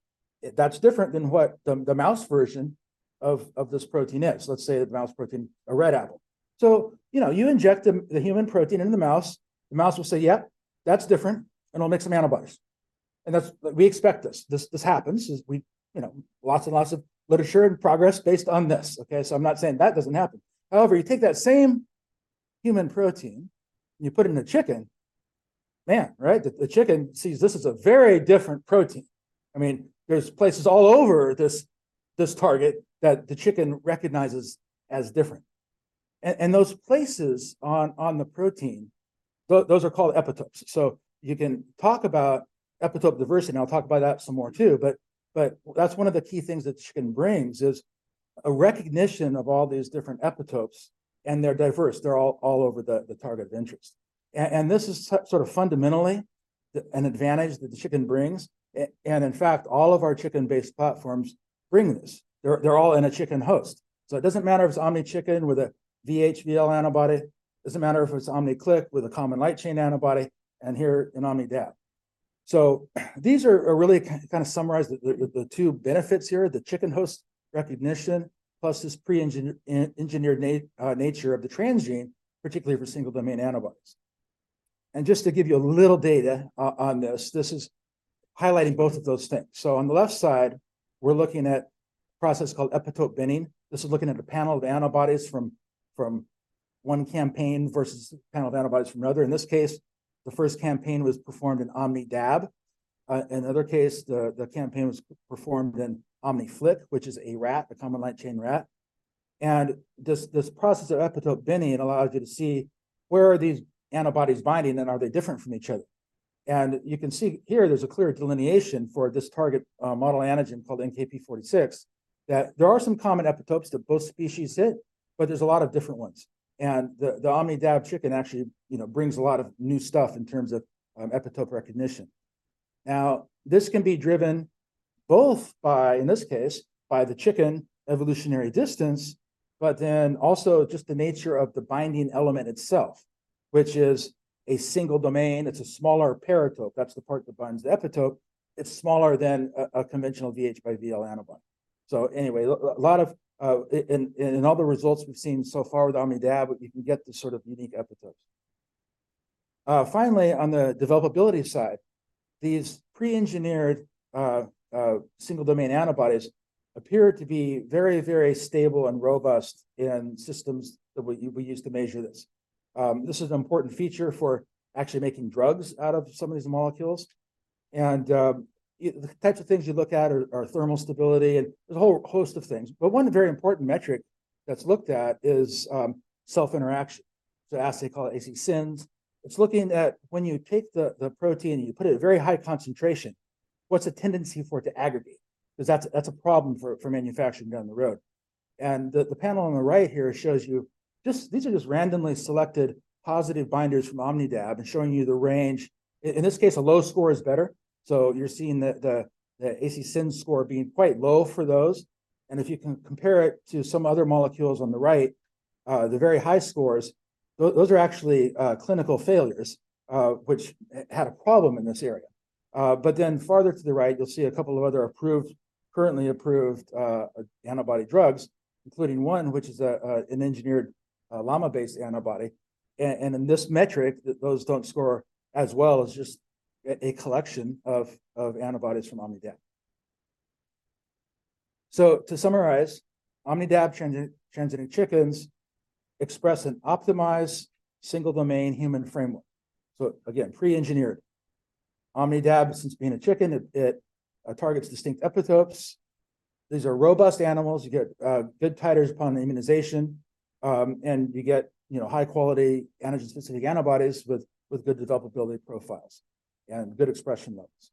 that's different than what the mouse version of this protein is. Let's say the mouse protein, a red apple. So, you know, you inject the human protein in the mouse, the mouse will say, "Yep, that's different, and I'll make some antibodies." And that's... We expect this. This happens, as we, you know, lots and lots of literature and progress based on this, okay? So I'm not saying that doesn't happen. However, you take that same human protein, and you put it in a chicken, man, right? The chicken sees this as a very different protein. I mean, there's places all over this target that the chicken recognizes as different. And those places on the protein, those are called epitopes. So you can talk about epitope diversity, and I'll talk about that some more, too, but that's one of the key things that chicken brings is a recognition of all these different epitopes, and they're diverse. They're all over the target of interest. And this is sort of fundamentally an advantage that the chicken brings. And in fact, all of our chicken-based platforms bring this. They're all in a chicken host. So it doesn't matter if it's OmniChicken with a VH VL antibody, doesn't matter if it's OmniClic with a common light chain antibody, and here in OmnidAb. So these are really kind of summarize the two benefits here: the chicken host recognition, plus this pre-engineered nature of the transgene, particularly for single-domain antibodies. And just to give you a little data on this, this is highlighting both of those things. So on the left side, we're looking at a process called epitope binning. This is looking at a panel of antibodies from one campaign versus a panel of antibodies from another. In this case, the first campaign was performed in OmnidAb. In the other case, the campaign was performed in OmniFlic, which is a rat, a common light chain rat. And this, this process of epitope binning, it allows you to see where are these antibodies binding, and are they different from each other? And you can see here there's a clear delineation for this target, model antigen called NKp46, that there are some common epitopes that both species hit, but there's a lot of different ones. And the OmnidAb chicken actually, you know, brings a lot of new stuff in terms of epitope recognition. Now, this can be driven both by, in this case, by the chicken evolutionary distance, but then also just the nature of the binding element itself, which is a single domain. It's a smaller paratope, that's the part that binds the epitope. It's smaller than a conventional VH by VL antibody. So anyway, a lot of All the results we've seen so far with OmnidAb, you can get these sort of unique epitopes. Finally, on the developability side, these pre-engineered single-domain antibodies appear to be very, very stable and robust in systems that we use to measure this. This is an important feature for actually making drugs out of some of these molecules. And the types of things you look at are thermal stability, and there's a whole host of things. But one very important metric that's looked at is self-interaction, it's an assay called AC-SINS. It's looking at when you take the protein and you put it at a very high concentration, what's the tendency for it to aggregate? Because that's a problem for manufacturing down the road. And the panel on the right here shows you... These are just randomly selected positive binders from OmnidAb and showing you the range. In this case, a low score is better, so you're seeing the AC-SINS score being quite low for those. And if you can compare it to some other molecules on the right, the very high scores, those are actually clinical failures, which had a problem in this area. But then farther to the right, you'll see a couple of other approved, currently approved, antibody drugs, including one which is a, an engineered, llama-based antibody. And in this metric, those don't score as well as just a collection of antibodies from OmnidAb. So to summarize, OmnidAb transgenic chickens express an optimized single-domain human framework. So again, pre-engineered. OmnidAb, since being a chicken, it targets distinct epitopes. These are robust animals. You get good titers upon immunization, and you get, you know, high-quality antigen-specific antibodies with good developability profiles and good expression levels.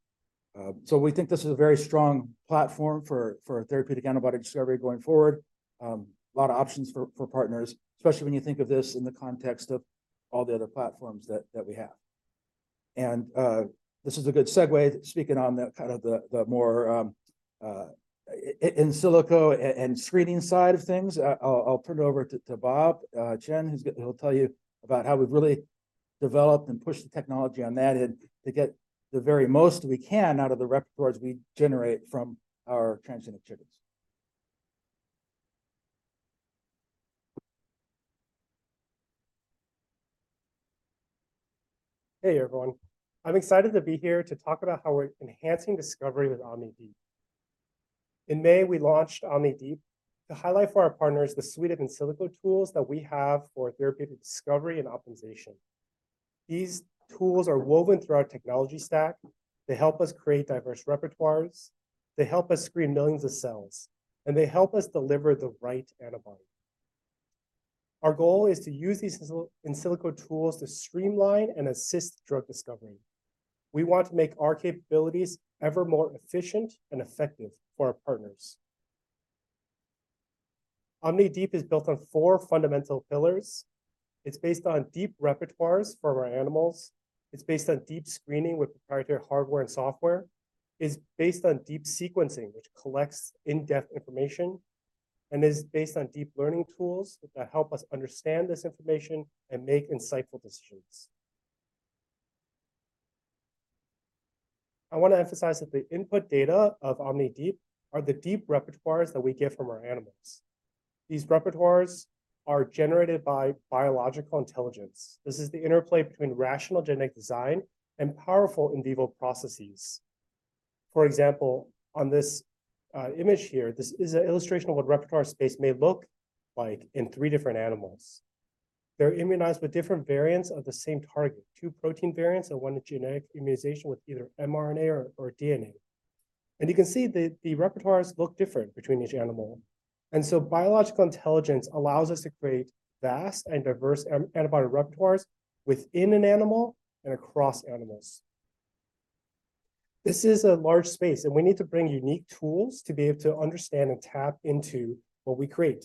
So we think this is a very strong platform for therapeutic antibody discovery going forward. A lot of options for partners, especially when you think of this in the context of all the other platforms that we have. And this is a good segue, speaking on the kind of the more in silico and screening side of things. I'll turn it over to Bob Chen, who'll tell you about how we've really developed and pushed the technology on that and to get the very most we can out of the repertoires we generate from our transgenic chickens. Hey, everyone. I'm excited to be here to talk about how we're enhancing discovery with OmniDeep. In May, we launched OmniDeep to highlight for our partners the suite of in silico tools that we have for therapeutic discovery and optimization. These tools are woven through our technology stack. They help us create diverse repertoires, they help us screen millions of cells, and they help us deliver the right antibody. Our goal is to use these in silico tools to streamline and assist drug discovery. We want to make our capabilities ever more efficient and effective for our partners. OmniDeep is built on four fundamental pillars: It's based on deep repertoires from our animals, it's based on deep screening with proprietary hardware and software, it's based on deep sequencing, which collects in-depth information, and it's based on deep learning tools that help us understand this information and make insightful decisions. I want to emphasize that the input data of OmniDeep are the deep repertoires that we get from our animals. These repertoires are generated by biological intelligence. This is the interplay between rational genetic design and powerful in vivo processes. For example, on this image here, this is an illustration of what repertoire space may look like in three different animals. They're immunized with different variants of the same target, two protein variants and one genetic immunization with either mRNA or DNA. You can see the repertoires look different between each animal, and so Biological Intelligence allows us to create vast and diverse antibody repertoires within an animal and across animals. This is a large space, and we need to bring unique tools to be able to understand and tap into what we create.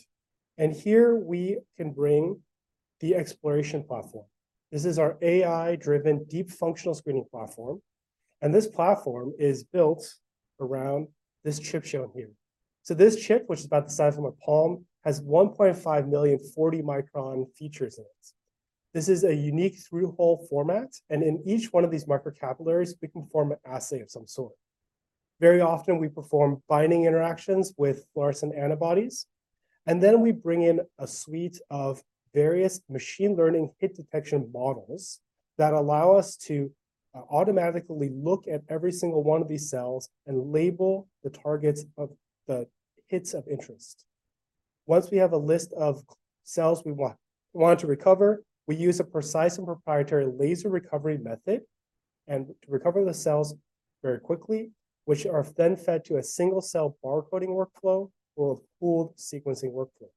Here we can bring the xPloration platform. This is our AI-driven, deep functional screening platform, and this platform is built around this chip shown here. So this chip, which is about the size of my palm, has 1.5 million 40-micron features in it. This is a unique through-hole format, and in each one of these micro capillaries we can form an assay of some sort. Very often we perform binding interactions with fluorescent antibodies, and then we bring in a suite of various machine learning hit detection models that allow us to automatically look at every single one of these cells and label the targets of the hits of interest. Once we have a list of cells we want to recover, we use a precise and proprietary laser recovery method and to recover the cells very quickly, which are then fed to a single cell barcoding workflow or a pooled sequencing workflow.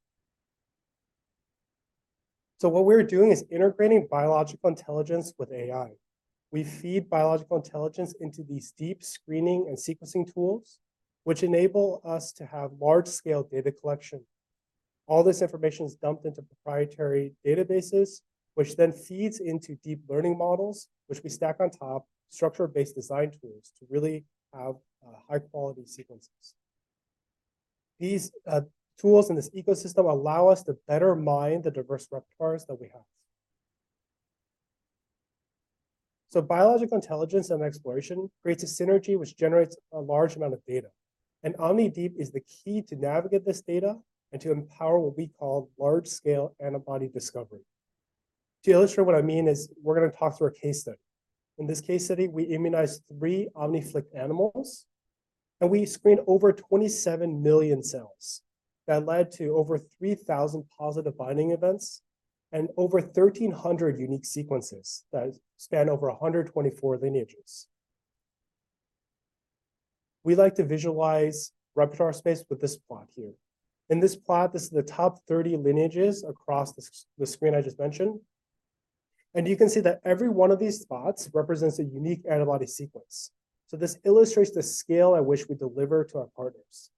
So what we're doing is integrating biological intelligence with AI. We feed biological intelligence into these deep screening and sequencing tools, which enable us to have large-scale data collection. All this information is dumped into proprietary databases, which then feeds into deep learning models, which we stack on top structure-based design tools to really have high-quality sequences. These tools and this ecosystem allow us to better mine the diverse repertoires that we have. So biological intelligence and xPloration creates a synergy which generates a large amount of data, and OmniDeep is the key to navigate this data and to empower what we call large-scale antibody discovery. To illustrate what I mean is we're going to talk through a case study. In this case study, we immunized three OmniFlic animals, and we screened over 27 million cells. That led to over 3,000 positive binding events and over 1,300 unique sequences that span over 124 lineages. We like to visualize repertoire space with this plot here. In this plot, this is the top 30 lineages across the screen I just mentioned, and you can see that every one of these spots represents a unique antibody sequence. So this illustrates the scale at which we deliver to our partners.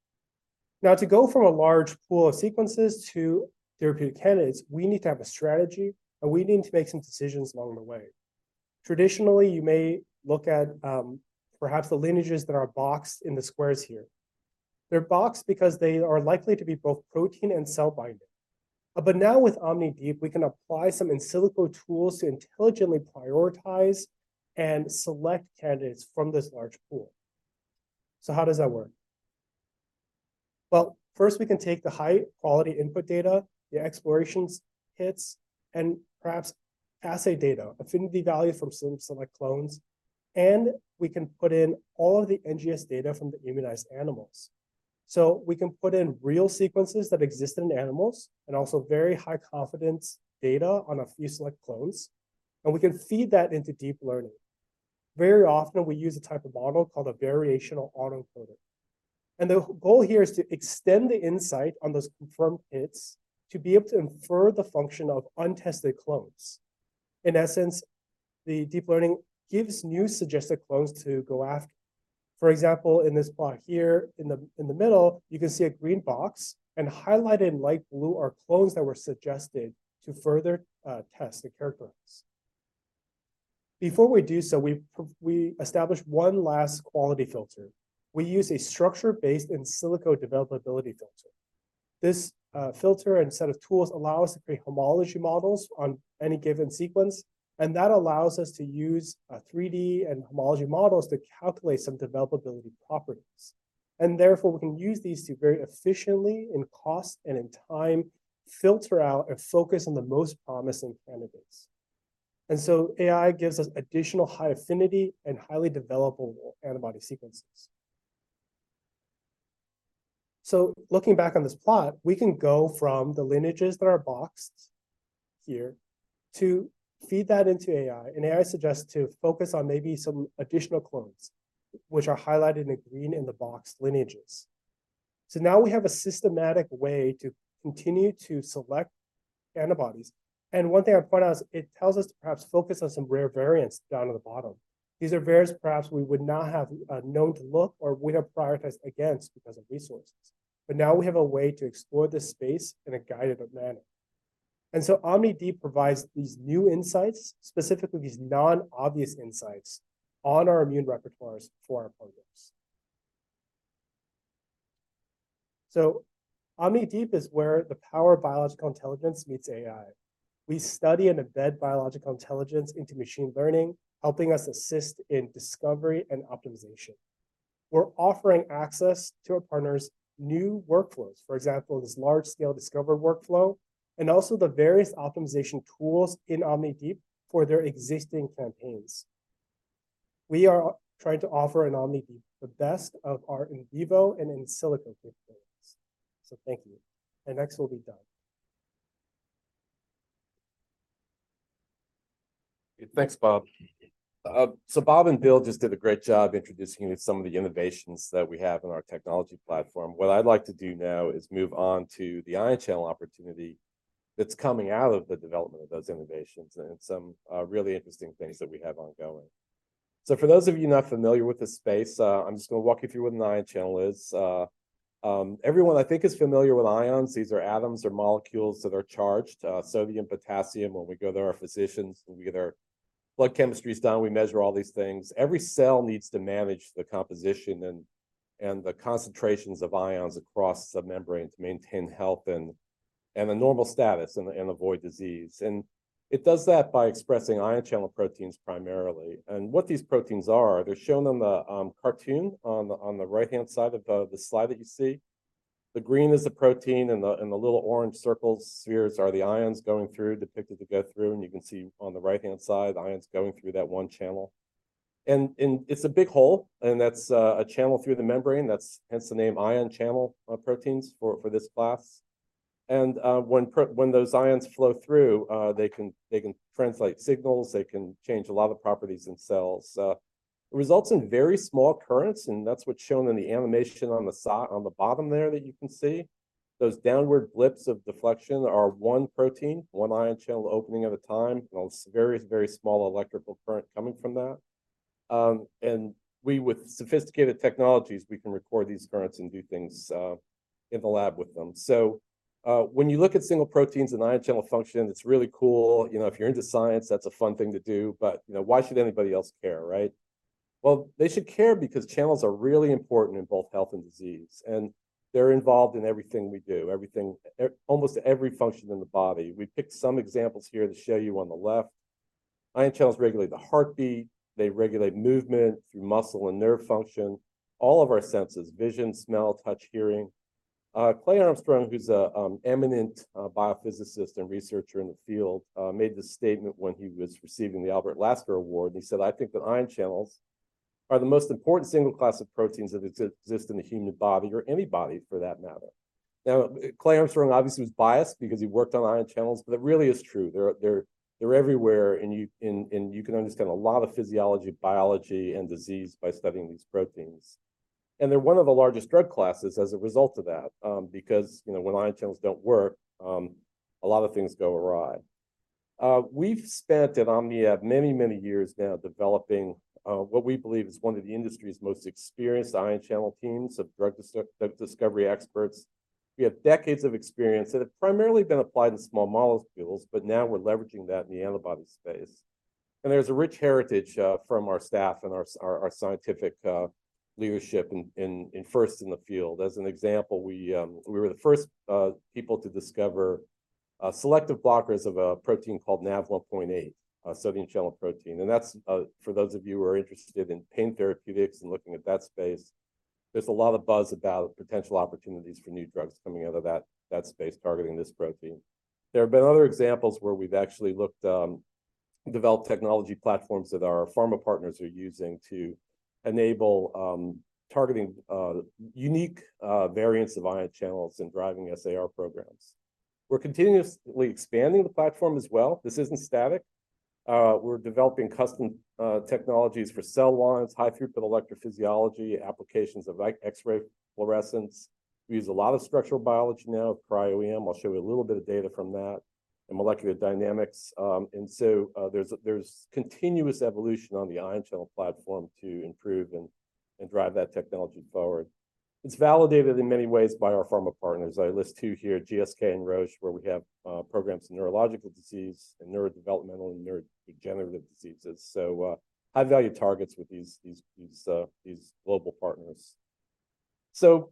Now, to go from a large pool of sequences to therapeutic candidates, we need to have a strategy, and we need to make some decisions along the way. Traditionally, you may look at, perhaps the lineages that are boxed in the squares here. They're boxed because they are likely to be both protein and cell binding. But now with OmniDeep, we can apply some in silico tools to intelligently prioritize and select candidates from this large pool. So how does that work? Well, first we can take the high-quality input data, the xPloration hits, and perhaps assay data, affinity value from some select clones, and we can put in all of the NGS data from the immunized animals. So we can put in real sequences that exist in the animals and also very high confidence data on a few select clones, and we can feed that into deep learning. Very often we use a type of model called a variational autoencoder, and the goal here is to extend the insight on those confirmed hits to be able to infer the function of untested clones. In essence, the deep learning gives new suggested clones to go after. For example, in this plot here in the, in the middle, you can see a green box and highlighted in light blue are clones that were suggested to further test and characterize. Before we do so, we establish one last quality filter. We use a structure based in silico developability filter. This filter and set of tools allow us to create homology models on any given sequence, and that allows us to use 3D and homology models to calculate some developability properties. Therefore, we can use these to very efficiently in cost and in time filter out and focus on the most promising candidates. So AI gives us additional high affinity and highly developable antibody sequences. Looking back on this plot, we can go from the lineages that are boxed here to feed that into AI, and AI suggests to focus on maybe some additional clones, which are highlighted in the green in the box lineages. Now we have a systematic way to continue to select antibodies. One thing I point out is it tells us to perhaps focus on some rare variants down at the bottom. These are variants perhaps we would not have known to look or would have prioritized against because of resources, but now we have a way to explore this space in a guided manner. And so OmniDeep provides these new insights, specifically these non-obvious insights, on our immune repertoires for our partners. So OmniDeep is where the power of biological intelligence meets AI. We study and embed biological intelligence into machine learning, helping us assist in discovery and optimization. We're offering access to our partners, new workflows, for example, this large-scale discovery workflow, and also the various optimization tools in OmniDeep for their existing campaigns. We are trying to offer in OmniDeep, the best of our in vivo and in silico capabilities. So thank you. And next will be Doug. Thanks, Bob. So Bob and Bill just did a great job introducing you to some of the innovations that we have in our technology platform. What I'd like to do now is move on to the ion channel opportunity, that's coming out of the development of those innovations, and some really interesting things that we have ongoing. So for those of you not familiar with this space, I'm just gonna walk you through what an ion channel is. Everyone I think is familiar with ions. These are atoms or molecules that are charged. Sodium, potassium, when we go to our physicians, and we get our blood chemistries done, we measure all these things. Every cell needs to manage the composition and the concentrations of ions across the membrane to maintain health and a normal status and avoid disease. It does that by expressing ion channel proteins primarily. What these proteins are, they're shown on the cartoon on the right-hand side of the slide that you see. The green is the protein, and the little orange circles, spheres are the ions going through, depicted to go through. You can see on the right-hand side, the ions going through that one channel. It's a big hole, and that's a channel through the membrane. That's hence the name ion channel proteins for this class. When those ions flow through, they can translate signals, they can change a lot of properties in cells. It results in very small currents, and that's what's shown in the animation on the bottom there that you can see. Those downward blips of deflection are one protein, one ion channel opening at a time, and a very, very small electrical current coming from that. And we, with sophisticated technologies, we can record these currents and do things in the lab with them. So, when you look at single proteins and ion channel function, it's really cool. You know, if you're into science, that's a fun thing to do, but, you know, why should anybody else care, right? Well, they should care because channels are really important in both health and disease, and they're involved in everything we do, everything, almost every function in the body. We picked some examples here to show you on the left. Ion channels regulate the heartbeat, they regulate movement through muscle and nerve function, all of our senses, vision, smell, touch, hearing. Clay Armstrong, who's an eminent biophysicist and researcher in the field, made this statement when he was receiving the Albert Lasker Award. And he said, "I think that ion channels are the most important single class of proteins that exist in the human body, or any body for that matter." Now, Clay Armstrong obviously was biased because he worked on ion channels, but it really is true. They're everywhere, and you can understand a lot of physiology, biology, and disease by studying these proteins. They're one of the largest drug classes as a result of that, because, you know, when ion channels don't work, a lot of things go awry. We've spent at OmniAb many, many years now developing what we believe is one of the industry's most experienced ion channel teams of drug discovery experts. We have decades of experience that have primarily been applied in small molecules, but now we're leveraging that in the antibody space. And there's a rich heritage from our staff and our scientific leadership in first in the field. As an example, we were the first people to discover selective blockers of a protein called NaV1.8, a sodium channel protein. And that's for those of you who are interested in pain therapeutics and looking at that space, there's a lot of buzz about potential opportunities for new drugs coming out of that space targeting this protein. There have been other examples where we've actually looked, developed technology platforms that our pharma partners are using to enable, targeting unique variants of ion channels and driving SAR programs. We're continuously expanding the platform as well. This isn't static. We're developing custom technologies for cell lines, high-throughput electrophysiology, applications of X-ray fluorescence. We use a lot of structural biology now, cryo-EM. I'll show you a little bit of data from that, and molecular dynamics. And so, there's continuous evolution on the ion channel platform to improve and drive that technology forward. It's validated in many ways by our pharma partners. I list two here, GSK and Roche, where we have programs in neurological disease and neurodevelopmental and neurodegenerative diseases. So, high-value targets with these global partners. So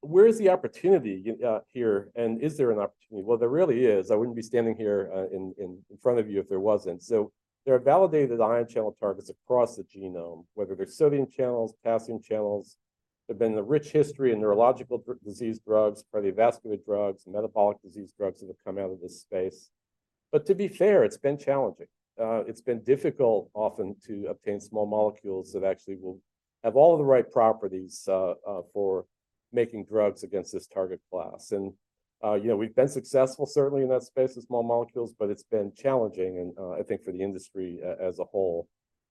where is the opportunity here, and is there an opportunity? Well, there really is. I wouldn't be standing here in front of you if there wasn't. So there are validated ion channel targets across the genome, whether they're sodium channels, potassium channels. There's been a rich history in neurological disease drugs, cardiovascular drugs, metabolic disease drugs that have come out of this space. But to be fair, it's been challenging. It's been difficult often to obtain small molecules that actually will have all of the right properties for making drugs against this target class. And, you know, we've been successful certainly in that space with small molecules, but it's been challenging, and I think for the industry as a whole.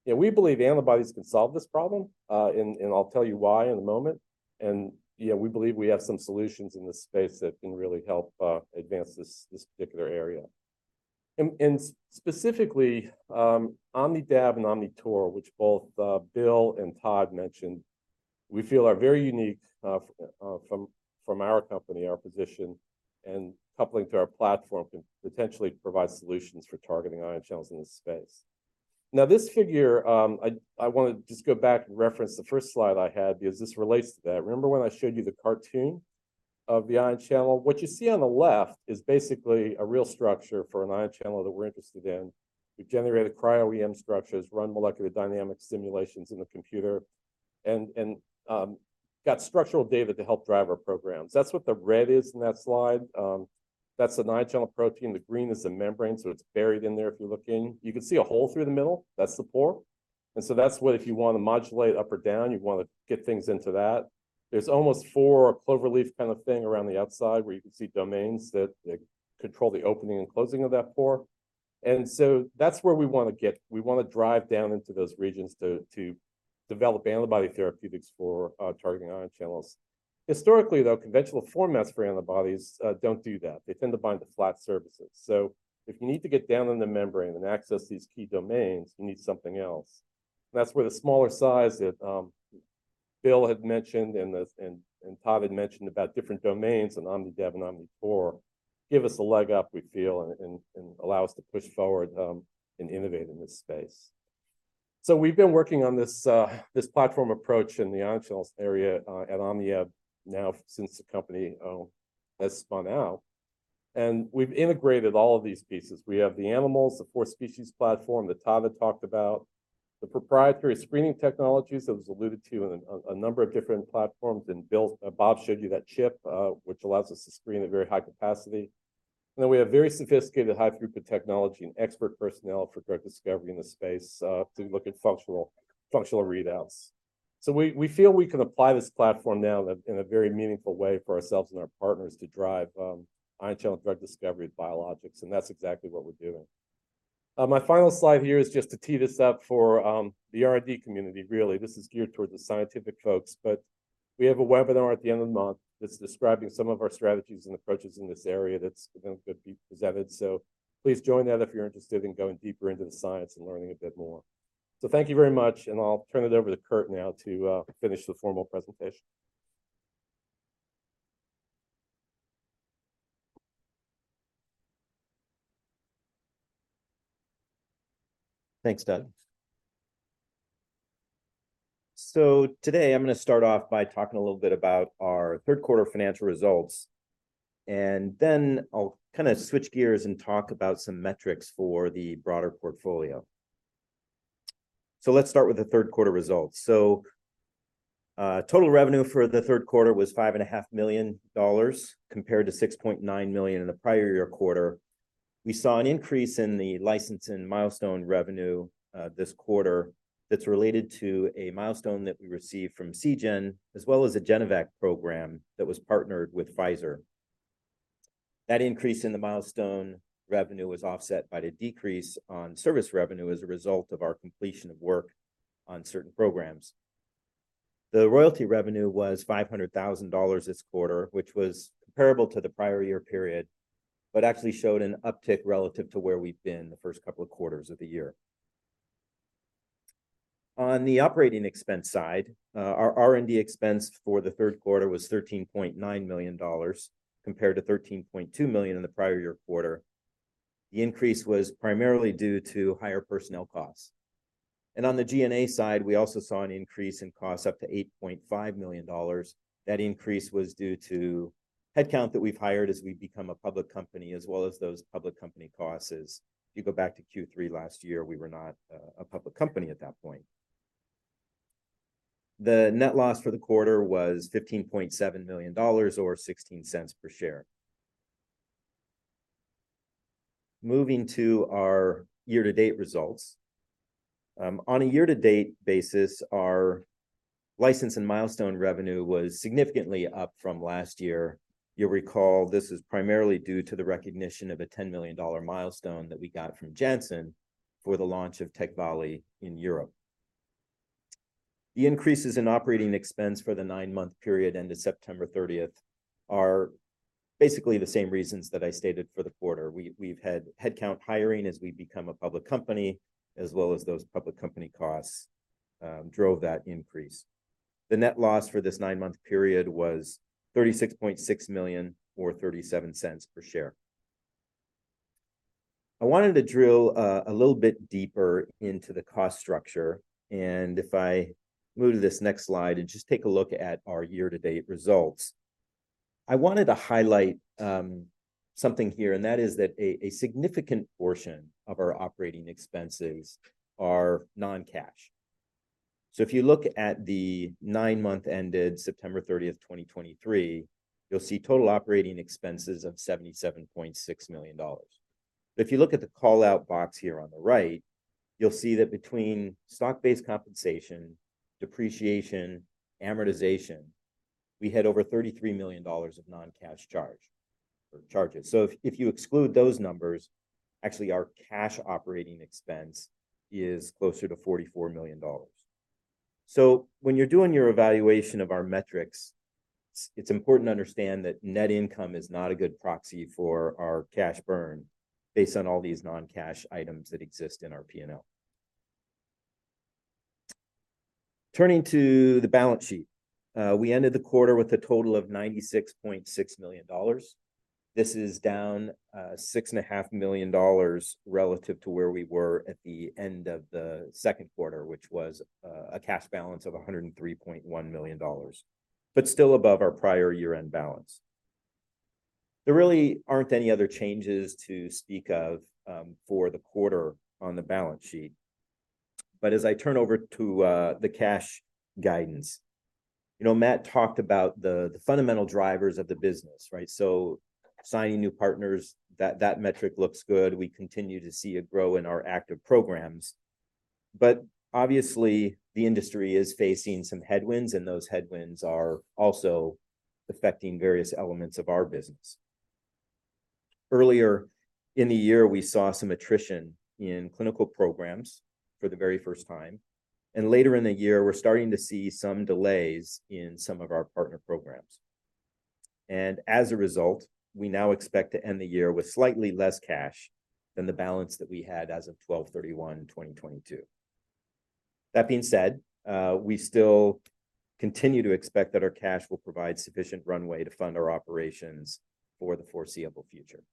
Yeah, we believe antibodies can solve this problem, and I'll tell you why in a moment. Yeah, we believe we have some solutions in this space that can really help advance this particular area. Specifically, OmniDab and OmniTaur, which both Bill and Todd mentioned, we feel are very unique from our company, our position, and coupling to our platform, can potentially provide solutions for targeting ion channels in this space. Now, I want to just go back and reference the first slide I had because this relates to that. Remember when I showed you the cartoon of the ion channel? What you see on the left is basically a real structure for an ion channel that we're interested in. We've generated cryo-EM structures, run molecular dynamics simulations in the computer, and got structural data to help drive our programs. That's what the red is in that slide. That's an ion channel protein. The green is the membrane, so it's buried in there if you look in. You can see a hole through the middle. That's the pore. And so that's what if you want to modulate up or down, you'd want to get things into that. There's almost four cloverleaf kind of thing around the outside, where you can see domains that control the opening and closing of that pore. And so that's where we wanna get. We wanna drive down into those regions to develop antibody therapeutics for targeting ion channels. Historically, though, conventional formats for antibodies don't do that. They tend to bind to flat surfaces. So if you need to get down in the membrane and access these key domains, you need something else. That's where the smaller size that Bill had mentioned, and that Todd had mentioned about different domains, and OmnidAb and OmniFlic give us a leg up, we feel, and allow us to push forward and innovate in this space. So we've been working on this platform approach in the ion channels area at OmniAb now since the company has spun out, and we've integrated all of these pieces. We have the animals, the four species platform that Todd had talked about, the proprietary screening technologies that was alluded to in a number of different platforms, and Bob showed you that chip, which allows us to screen at very high capacity. We have very sophisticated high-throughput technology and expert personnel for drug discovery in this space to look at functional, functional readouts. So we feel we can apply this platform now in a very meaningful way for ourselves and our partners to drive ion channel drug discovery biologics, and that's exactly what we're doing. My final slide here is just to tee this up for the R&D community, really. This is geared towards the scientific folks, but we have a webinar at the end of the month that's describing some of our strategies and approaches in this area that's going to be presented. So please join that if you're interested in going deeper into the science and learning a bit more. So thank you very much, and I'll turn it over to Kurt now to finish the formal presentation. Thanks, Doug. So today I'm gonna start off by talking a little bit about our third quarter financial results, and then I'll kind of switch gears and talk about some metrics for the broader portfolio. So let's start with the third quarter results. Total revenue for the third quarter was $5.5 million, compared to $6.9 million in the prior year quarter. We saw an increase in the license and milestone revenue this quarter that's related to a milestone that we received from Seagen, as well as a Genevant program that was partnered with Pfizer. That increase in the milestone revenue was offset by the decrease on service revenue as a result of our completion of work on certain programs. The royalty revenue was $500,000 this quarter, which was comparable to the prior year period, but actually showed an uptick relative to where we've been the first couple of quarters of the year. On the operating expense side, our R&D expense for the third quarter was $13.9 million, compared to $13.2 million in the prior year quarter. The increase was primarily due to higher personnel costs. On the G&A side, we also saw an increase in costs up to $8.5 million. That increase was due to headcount that we've hired as we've become a public company, as well as those public company costs. As you go back to Q3 last year, we were not a public company at that point. The net loss for the quarter was $15.7 million, or 16 cents per share. Moving to our year-to-date results. On a year-to-date basis, our license and milestone revenue was significantly up from last year. You'll recall this is primarily due to the recognition of a $10 million milestone that we got from Janssen for the launch of Tecvayli in Europe. The increases in operating expense for the nine-month period ended September 30 are basically the same reasons that I stated for the quarter. We've had headcount hiring as we've become a public company, as well as those public company costs, drove that increase. The net loss for this nine-month period was $36.6 million, or 37 cents per share. I wanted to drill a little bit deeper into the cost structure, and if I move to this next slide and just take a look at our year-to-date results, I wanted to highlight something here, and that is that a significant portion of our operating expenses are non-cash. So if you look at the 9-month ended September 30, 2023, you'll see total operating expenses of $77.6 million. But if you look at the call-out box here on the right, you'll see that between stock-based compensation, depreciation, amortization, we had over $33 million of non-cash charge, or charges. So if you exclude those numbers, actually, our cash operating expense is closer to $44 million. So when you're doing your evaluation of our metrics, it's important to understand that net income is not a good proxy for our cash burn based on all these non-cash items that exist in our P&L. Turning to the balance sheet, we ended the quarter with a total of $96.6 million. This is down $6.5 million relative to where we were at the end of the second quarter, which was a cash balance of $103.1 million, but still above our prior year-end balance. There really aren't any other changes to speak of for the quarter on the balance sheet. But as I turn over to the cash guidance, you know, Matt talked about the fundamental drivers of the business, right? So signing new partners, that metric looks good. We continue to see it grow in our active programs, but obviously, the industry is facing some headwinds, and those headwinds are also affecting various elements of our business. Earlier in the year, we saw some attrition in clinical programs for the very first time, and later in the year, we're starting to see some delays in some of our partner programs. And as a result, we now expect to end the year with slightly less cash than the balance that we had as of 12/31/2022. That being said, we still continue to expect that our cash will provide sufficient runway to fund our operations for the foreseeable future.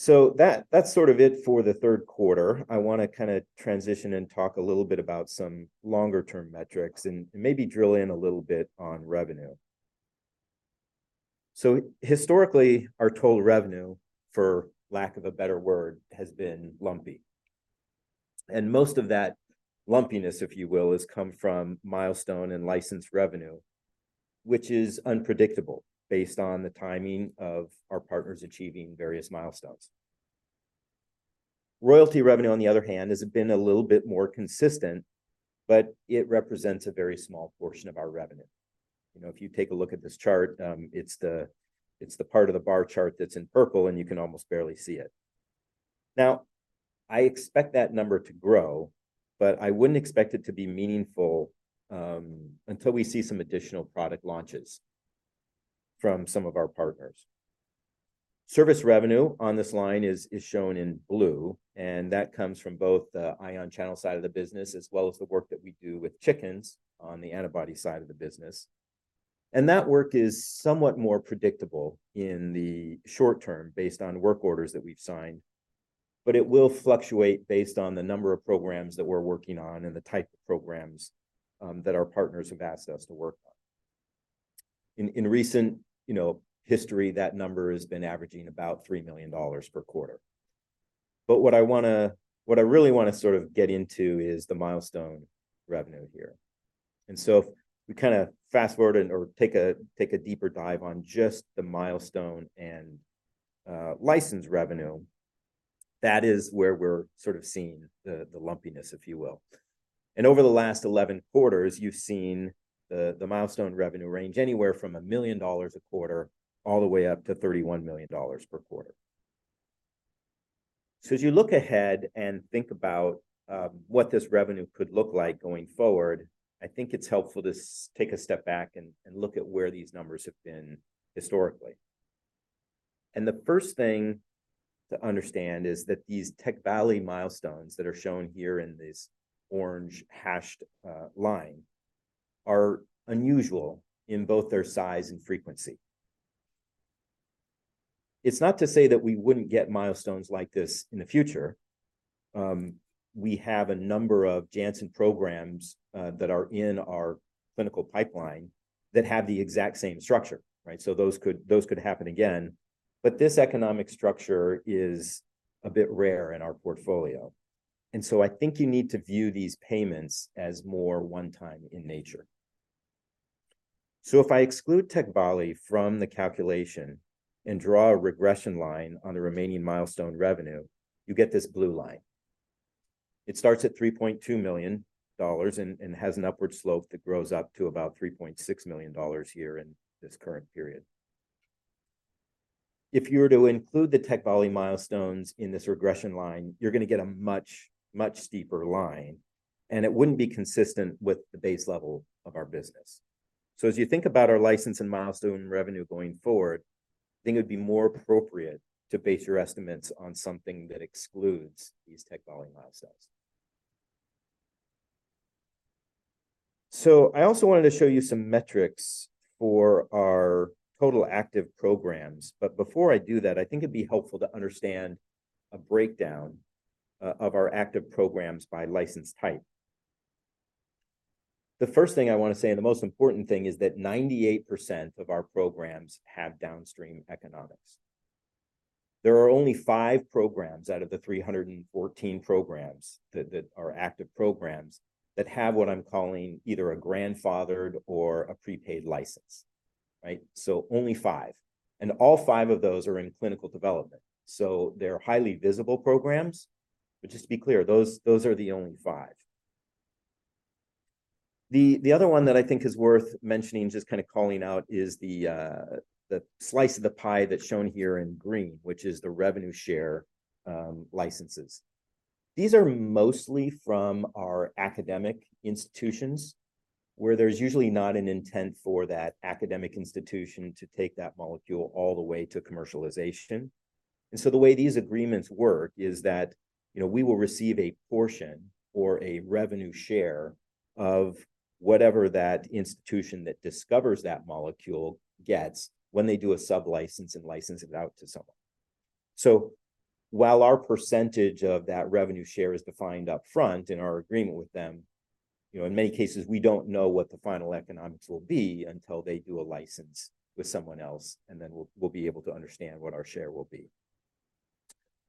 So that, that's sort of it for the third quarter. I want to kinda transition and talk a little bit about some longer-term metrics and, and maybe drill in a little bit on revenue. So historically, our total revenue, for lack of a better word, has been lumpy, and most of that lumpiness, if you will, has come from milestone and licensed revenue, which is unpredictable based on the timing of our partners achieving various milestones. Royalty revenue, on the other hand, has been a little bit more consistent, but it represents a very small portion of our revenue. You know, if you take a look at this chart, it's the part of the bar chart that's in purple, and you can almost barely see it. Now, I expect that number to grow, but I wouldn't expect it to be meaningful until we see some additional product launches from some of our partners. Service revenue on this line is shown in blue, and that comes from both the ion channel side of the business, as well as the work that we do with chickens on the antibody side of the business. That work is somewhat more predictable in the short term, based on work orders that we've signed, but it will fluctuate based on the number of programs that we're working on and the type of programs that our partners have asked us to work on. In recent, you know, history, that number has been averaging about $3 million per quarter. But what I wanna, what I really wanna sort of get into is the milestone revenue here. So if we kinda fast forward or take a deeper dive on just the milestone and license revenue, that is where we're sort of seeing the lumpiness, if you will. Over the last 11 quarters, you've seen the milestone revenue range anywhere from $1 million a quarter, all the way up to $31 million per quarter. So as you look ahead and think about what this revenue could look like going forward, I think it's helpful to take a step back and look at where these numbers have been historically. The first thing to understand is that these Tecvayli milestones that are shown here in this orange hashed line are unusual in both their size and frequency. It's not to say that we wouldn't get milestones like this in the future. We have a number of Janssen programs that are in our clinical pipeline that have the exact same structure, right? So those could, those could happen again. But this economic structure is a bit rare in our portfolio, and so I think you need to view these payments as more one-time in nature. So if I exclude Tecvayli from the calculation and draw a regression line on the remaining milestone revenue, you get this blue line. It starts at $3.2 million and has an upward slope that grows up to about $3.6 million here in this current period. If you were to include the Tecvayli milestones in this regression line, you're gonna get a much, much steeper line, and it wouldn't be consistent with the base level of our business. So as you think about our license and milestone revenue going forward, I think it would be more appropriate to base your estimates on something that excludes these Tecvayli milestones. So I also wanted to show you some metrics for our total active programs, but before I do that, I think it'd be helpful to understand a breakdown of our active programs by license type. The first thing I want to say, and the most important thing, is that 98% of our programs have downstream economics. There are only 5 programs out of the 314 programs that, that are active programs, that have what I'm calling either a grandfathered or a prepaid license, right? So only 5, and all 5 of those are in clinical development, so they're highly visible programs. But just to be clear, those, those are the only 5. The other one that I think is worth mentioning, just kind of calling out, is the slice of the pie that's shown here in green, which is the revenue share licenses. These are mostly from our academic institutions, where there's usually not an intent for that academic institution to take that molecule all the way to commercialization. And so the way these agreements work is that, you know, we will receive a portion or a revenue share of whatever that institution that discovers that molecule gets when they do a sublicense and license it out to someone. So while our percentage of that revenue share is defined up front in our agreement with them, you know, in many cases, we don't know what the final economics will be until they do a license with someone else, and then we'll, we'll be able to understand what our share will be.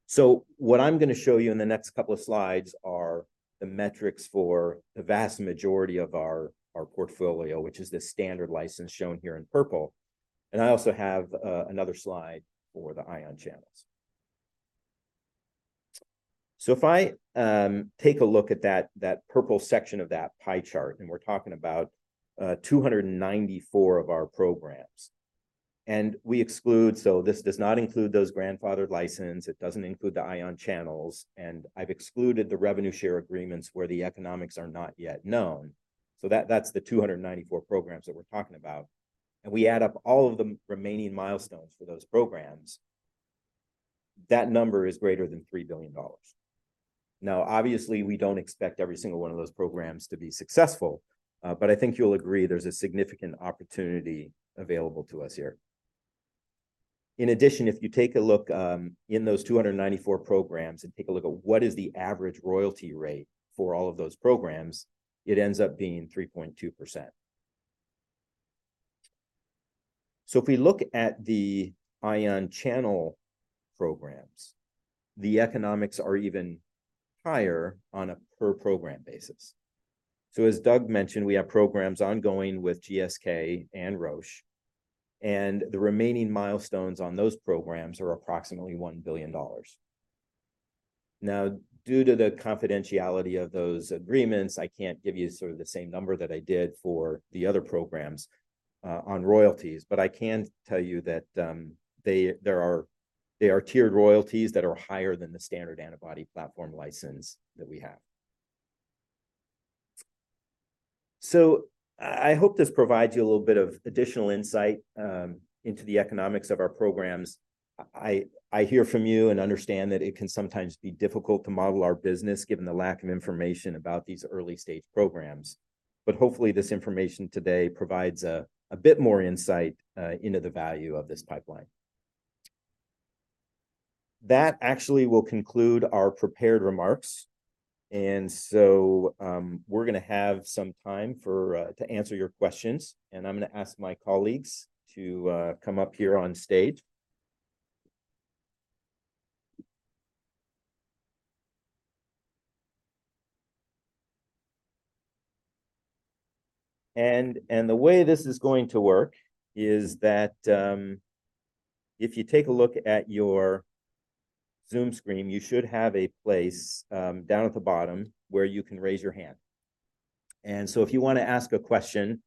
So what I'm gonna show you in the next couple of slides are the metrics for the vast majority of our, our portfolio, which is the standard license shown here in purple... and I also have another slide for the ion channels. So if I take a look at that, that purple section of that pie chart, and we're talking about 294 of our programs. We exclude, so this does not include those grandfathered license, it doesn't include the ion channels, and I've excluded the revenue share agreements where the economics are not yet known. So that's the 294 programs that we're talking about, and we add up all of the remaining milestones for those programs, that number is greater than $3 billion. Now, obviously, we don't expect every single one of those programs to be successful, but I think you'll agree there's a significant opportunity available to us here. In addition, if you take a look in those 294 programs and take a look at what is the average royalty rate for all of those programs, it ends up being 3.2%. So if we look at the ion channel programs, the economics are even higher on a per program basis. So as Doug mentioned, we have programs ongoing with GSK and Roche, and the remaining milestones on those programs are approximately $1 billion. Now, due to the confidentiality of those agreements, I can't give you sort of the same number that I did for the other programs on royalties, but I can tell you that there are tiered royalties that are higher than the standard antibody platform license that we have. So I hope this provides you a little bit of additional insight into the economics of our programs. I hear from you and understand that it can sometimes be difficult to model our business, given the lack of information about these early-stage programs. But hopefully, this information today provides a bit more insight into the value of this pipeline. That actually will conclude our prepared remarks, and so, we're gonna have some time for to answer your questions, and I'm gonna ask my colleagues to come up here on stage. And, and the way this is going to work is that, if you take a look at your Zoom screen, you should have a place, down at the bottom where you can raise your hand. And so if you want to ask a question,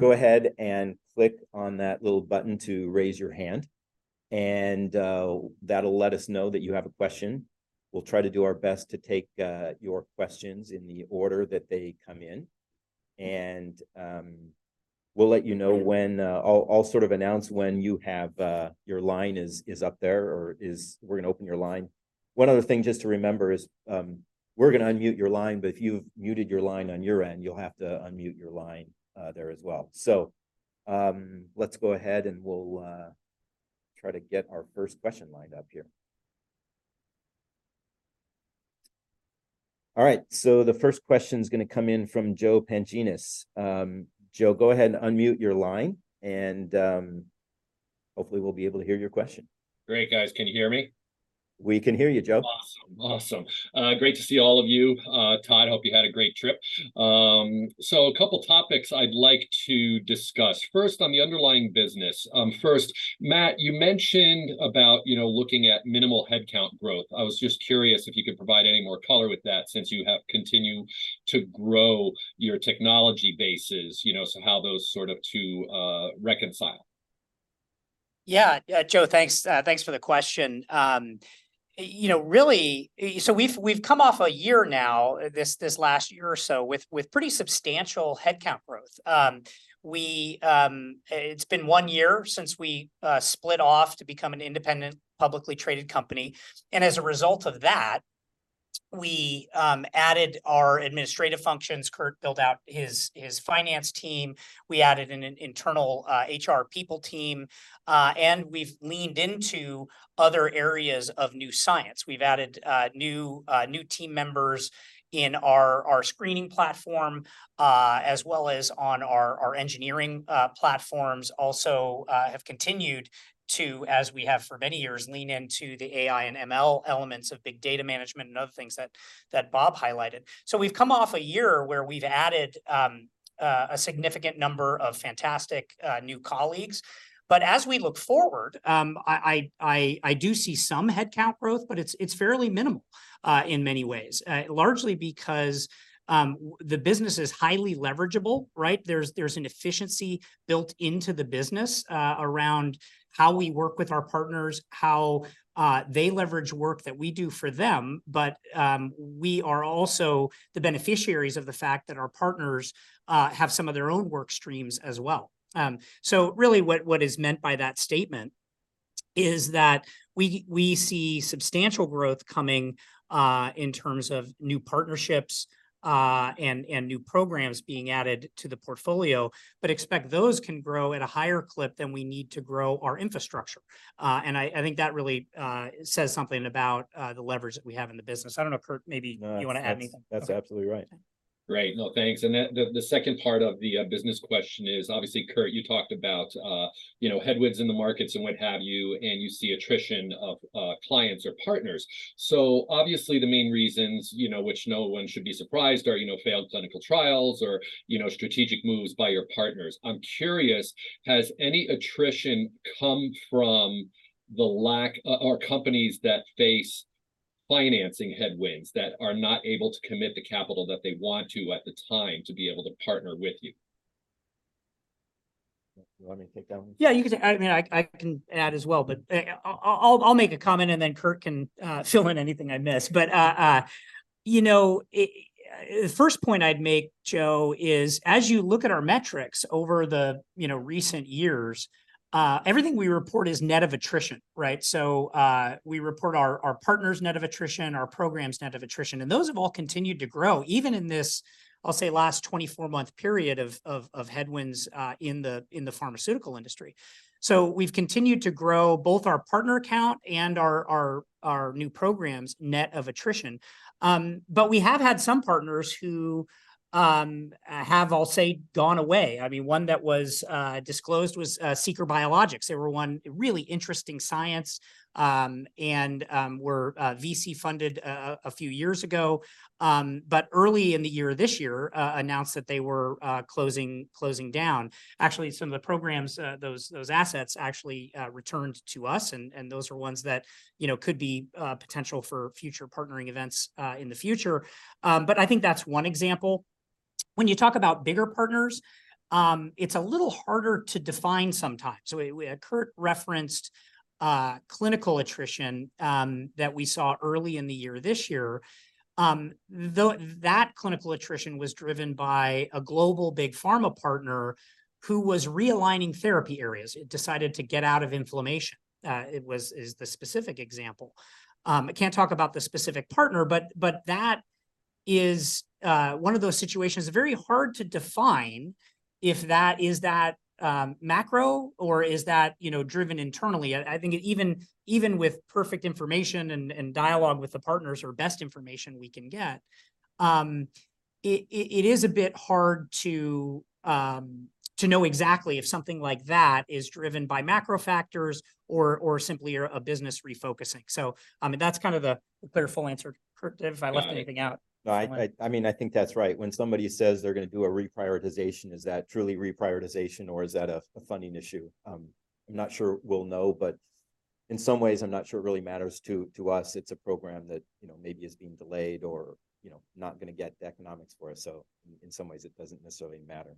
go ahead and click on that little button to raise your hand, and, that'll let us know that you have a question. We'll try to do our best to take, your questions in the order that they come in. And, we'll let you know when... I'll sort of announce when you have your line up there or we're gonna open your line. One other thing just to remember is, we're gonna unmute your line, but if you've muted your line on your end, you'll have to unmute your line there as well. So, let's go ahead, and we'll try to get our first question lined up here. All right, so the first question is gonna come in from Joe Pantginis. Joe, go ahead and unmute your line, and hopefully, we'll be able to hear your question. Great, guys. Can you hear me? We can hear you, Joe. Awesome. Awesome. Great to see all of you. Todd, hope you had a great trip. So a couple topics I'd like to discuss. First, on the underlying business, first, Matt, you mentioned about, you know, looking at minimal headcount growth. I was just curious if you could provide any more color with that, since you have continued to grow your technology bases, you know, so how those sort of two, reconcile? Yeah, Joe, thanks, thanks for the question. You know, really, so we've come off a year now, this last year or so, with pretty substantial headcount growth. It's been one year since we split off to become an independent, publicly traded company, and as a result of that, we added our administrative functions. Kurt built out his finance team, we added an internal HR people team, and we've leaned into other areas of new science. We've added new team members in our screening platform, as well as on our engineering platforms. Also, have continued to, as we have for many years, lean into the AI and ML elements of big data management and other things that Bob highlighted. So we've come off a year where we've added a significant number of fantastic new colleagues. But as we look forward, I do see some headcount growth, but it's fairly minimal in many ways. Largely because the business is highly leverageable, right? There's an efficiency built into the business around how we work with our partners, how they leverage work that we do for them. But we are also the beneficiaries of the fact that our partners have some of their own work streams as well. So really what is meant by that statement is that we see substantial growth coming in terms of new partnerships and new programs being added to the portfolio, but expect those can grow at a higher clip than we need to grow our infrastructure. And I think that really says something about the leverage that we have in the business. I don't know, Kurt, maybe you want to add anything? No, that's, that's absolutely right. Great. No, thanks. And then the second part of the business question is, obviously, Kurt, you talked about, you know, headwinds in the markets and what have you, and you see attrition of clients or partners. So obviously, the main reasons, you know, which no one should be surprised, are, you know, failed clinical trials or, you know, strategic moves by your partners. I'm curious, has any attrition come from companies that face financing headwinds that are not able to commit the capital that they want to at the time to be able to partner with you? You want me to take that one? Yeah, you can. I mean, I can add as well, but I'll make a comment, and then Kurt can fill in anything I miss. But you know, the first point I'd make, Joe, is as you look at our metrics over the, you know, recent years, everything we report is net of attrition, right? So, we report our partners net of attrition, our programs net of attrition, and those have all continued to grow, even in this, I'll say, last 24-month period of headwinds in the pharmaceutical industry. So we've continued to grow both our partner count and our new programs net of attrition. But we have had some partners who have, I'll say, gone away. I mean, one that was disclosed was Seaker Biologics. They were one really interesting science, and were VC-funded a few years ago, but early in the year this year, announced that they were closing down. Actually, some of the programs, those assets actually returned to us, and those are ones that, you know, could be potential for future partnering events in the future. But I think that's one example. When you talk about bigger partners, it's a little harder to define sometimes. So we... Kurt referenced clinical attrition that we saw early in the year this year. Though that clinical attrition was driven by a global big pharma partner who was realigning therapy areas, it decided to get out of inflammation. It was-- is the specific example. I can't talk about the specific partner, but that is one of those situations very hard to define if that is macro or is that, you know, driven internally? I think even with perfect information and dialogue with the partners or best information we can get, it is a bit hard to know exactly if something like that is driven by macro factors or simply a business refocusing. So, I mean, that's kind of the clear full answer. Kurt, if I left anything out. No, I mean, I think that's right. When somebody says they're going to do a reprioritization, is that truly reprioritization, or is that a funding issue? I'm not sure we'll know, but in some ways I'm not sure it really matters to us. It's a program that, you know, maybe is being delayed or, you know, not going to get the economics for us. So in some ways, it doesn't necessarily matter.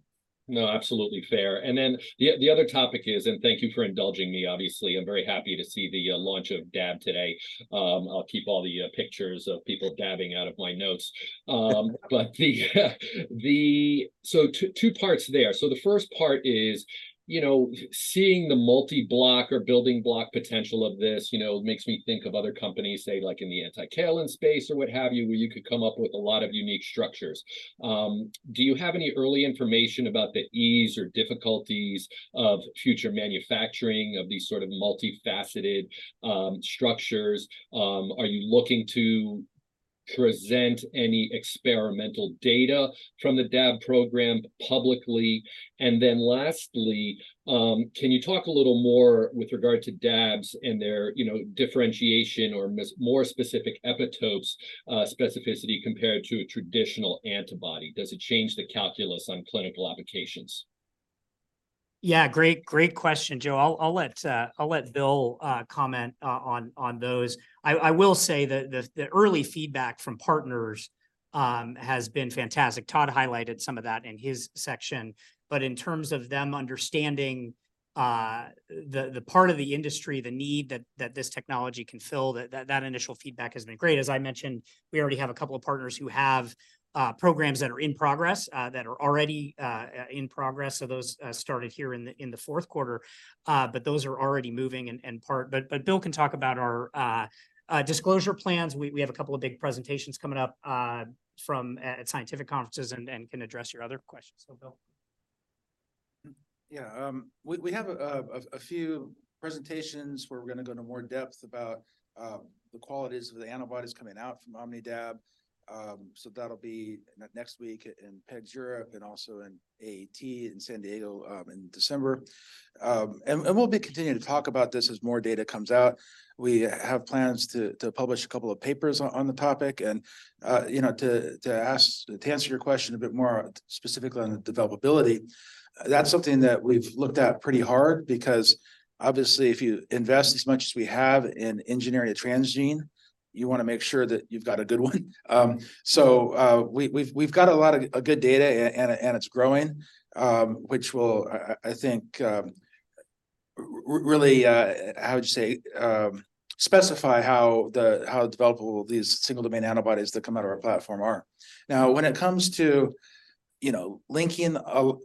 No, absolutely fair. And then the other topic is, and thank you for indulging me, obviously, I'm very happy to see the launch of OmnidAb today. I'll keep all the pictures of people dabbing out of my notes. But the. So two parts there. So the first part is, you know, seeing the multi-block or building block potential of this, you know, makes me think of other companies, say, like in the Anticalin space or what have you, where you could come up with a lot of unique structures. Do you have any early information about the ease or difficulties of future manufacturing of these sort of multifaceted structures? Are you looking to present any experimental data from the OmnidAb program publicly? And then lastly, can you talk a little more with regard to dAbs and their, you know, differentiation or more specific epitopes, specificity compared to a traditional antibody? Does it change the calculus on clinical applications? Yeah, great. Great question, Joe. I'll let Bill comment on those. I will say that the early feedback from partners has been fantastic. Todd highlighted some of that in his section. But in terms of them understanding the part of the industry, the need that this technology can fill, that initial feedback has been great. As I mentioned, we already have a couple of partners who have programs that are in progress, that are already in progress. So those started here in the fourth quarter, but those are already moving and, in part. But Bill can talk about our disclosure plans. We have a couple of big presentations coming up from scientific conferences and can address your other questions. So, Bill? Yeah, we have a few presentations where we're going to go into more depth about the qualities of the antibodies coming out from OmnidAb. So that'll be next week in PEGS Europe and also in AET in San Diego, in December. And we'll be continuing to talk about this as more data comes out. We have plans to publish a couple of papers on the topic and, you know, to answer your question a bit more specifically on the developability, that's something that we've looked at pretty hard, because obviously, if you invest as much as we have in engineering a transgene, you want to make sure that you've got a good one. So, we've got a lot of good data, and it's growing, which will, I think, really, how would you say, specify how the, how developable these single domain antibodies that come out of our platform are. Now, when it comes to, you know, linking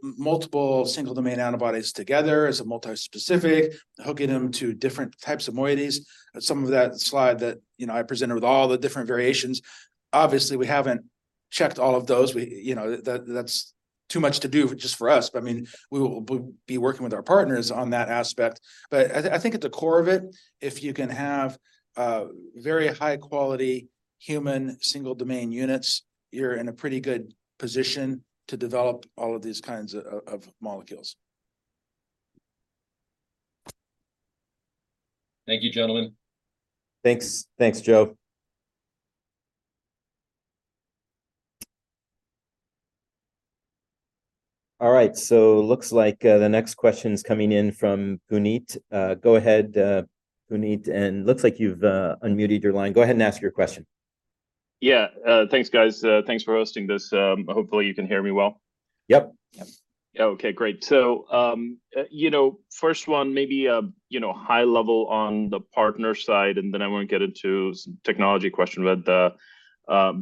multiple single domain antibodies together as a multispecific, hooking them to different types of moieties, some of that slide that, you know, I presented with all the different variations, obviously, we haven't checked all of those. You know, that's too much to do just for us. But, I mean, we will be working with our partners on that aspect. But I think at the core of it, if you can have a very high-quality human single domain units, you're in a pretty good position to develop all of these kinds of molecules. Thank you, gentlemen. Thanks. Thanks, Joe.... All right, so looks like the next question's coming in from Puneet. Go ahead, Puneet, and looks like you've unmuted your line. Go ahead and ask your question. Yeah, thanks, guys. Thanks for hosting this. Hopefully, you can hear me well. Yep. Yep. Okay, great. So, you know, first one, maybe, you know, high level on the partner side, and then I want to get into some technology question about the,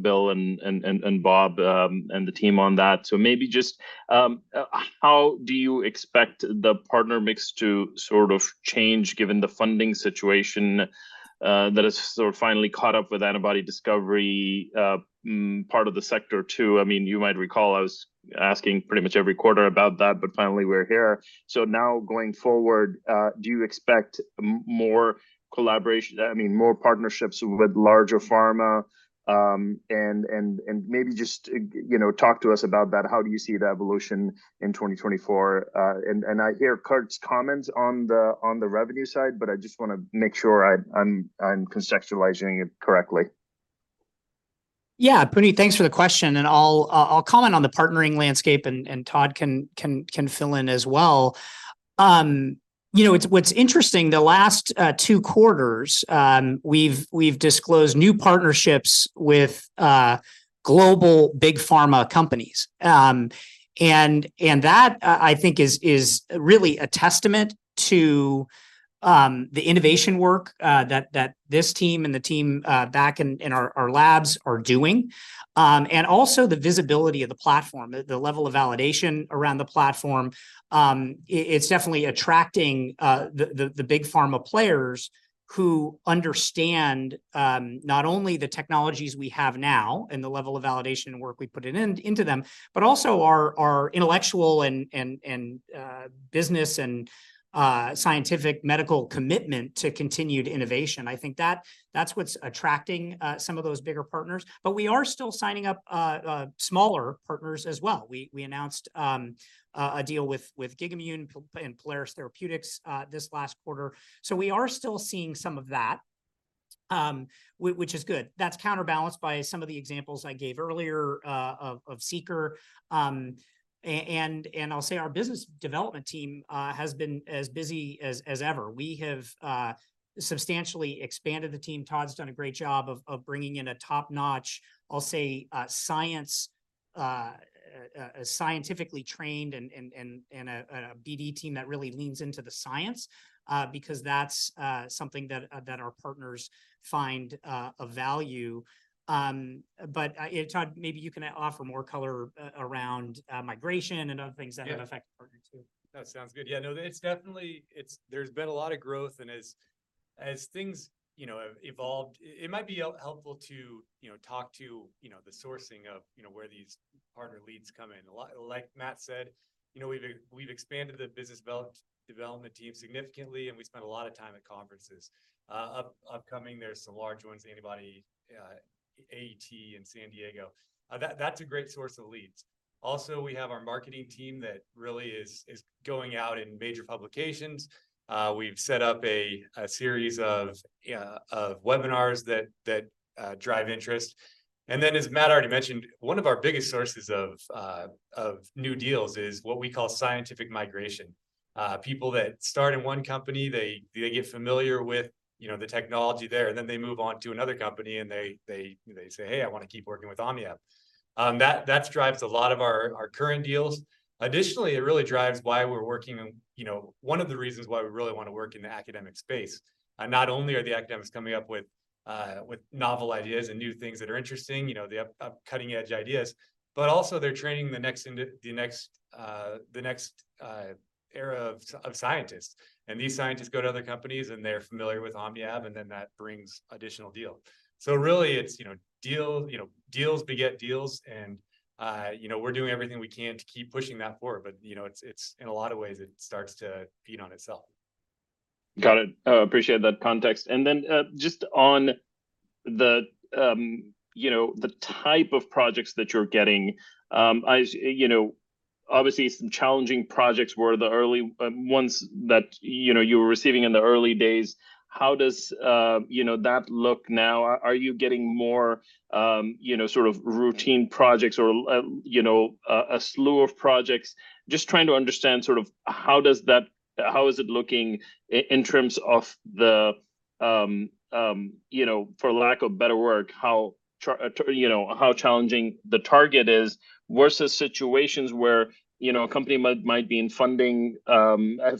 Bill and Bob, and the team on that. So maybe just, how do you expect the partner mix to sort of change given the funding situation, that has sort of finally caught up with antibody discovery, part of the sector too? I mean, you might recall, I was asking pretty much every quarter about that, but finally we're here. So now going forward, do you expect more collaboration, I mean, more partnerships with larger pharma? And maybe just, you know, talk to us about that. How do you see the evolution in 2024? And I hear Kurt's comments on the revenue side, but I just want to make sure I'm contextualizing it correctly. Yeah, Puneet, thanks for the question, and I'll comment on the partnering landscape, and Todd can fill in as well. You know, it's what's interesting, the last two quarters, we've disclosed new partnerships with global big pharma companies. And that I think is really a testament to the innovation work that this team and the team back in our labs are doing, and also the visibility of the platform, the level of validation around the platform. It's definitely attracting the big pharma players who understand not only the technologies we have now and the level of validation work we put into them, but also our intellectual and business and scientific medical commitment to continued innovation. I think that, that's what's attracting some of those bigger partners. But we are still signing up smaller partners as well. We announced a deal with GigaMune and Pluristyx this last quarter, so we are still seeing some of that, which is good. That's counterbalanced by some of the examples I gave earlier of Seeker. I'll say our business development team has been as busy as ever. We have substantially expanded the team. Todd's done a great job of bringing in a top-notch, I'll say, science, scientifically trained and a BD team that really leans into the science because that's something that our partners find of value. But, Todd, maybe you can offer more color around migration and other things. Yeah... that have affected partnering too. That sounds good. Yeah, no, it's definitely, it's, there's been a lot of growth, and as things, you know, have evolved, it might be helpful to, you know, talk to, you know, the sourcing of, you know, where these partner leads come in. Like Matt said, you know, we've expanded the business development team significantly, and we spend a lot of time at conferences. Upcoming, there's some large ones, Antibody, AET in San Diego. That, that's a great source of leads. Also, we have our marketing team that really is going out in major publications. We've set up a series of webinars that drive interest. And then, as Matt already mentioned, one of our biggest sources of new deals is what we call scientific migration. People that start in one company, they get familiar with, you know, the technology there, and then they move on to another company, and they say, "Hey, I want to keep working with OmniAb." That drives a lot of our current deals. Additionally, it really drives why we're working, you know, one of the reasons why we really want to work in the academic space, and not only are the academics coming up with novel ideas and new things that are interesting, you know, the cutting-edge ideas, but also they're training the next era of scientists. And these scientists go to other companies, and they're familiar with OmniAb, and then that brings additional deals. So really, it's, you know, deals beget deals, and you know, we're doing everything we can to keep pushing that forward. But you know, it's in a lot of ways, it starts to feed on itself. Got it. Appreciate that context. And then, just on the, you know, the type of projects that you're getting, you know, obviously some challenging projects were the early ones that, you know, you were receiving in the early days. How does, you know, that look now? Are you getting more, you know, sort of routine projects or, you know, a slew of projects? Just trying to understand sort of how does that... How is it looking in terms of the, you know, for lack of better word, how challenging the target is versus situations where, you know, a company might be in funding,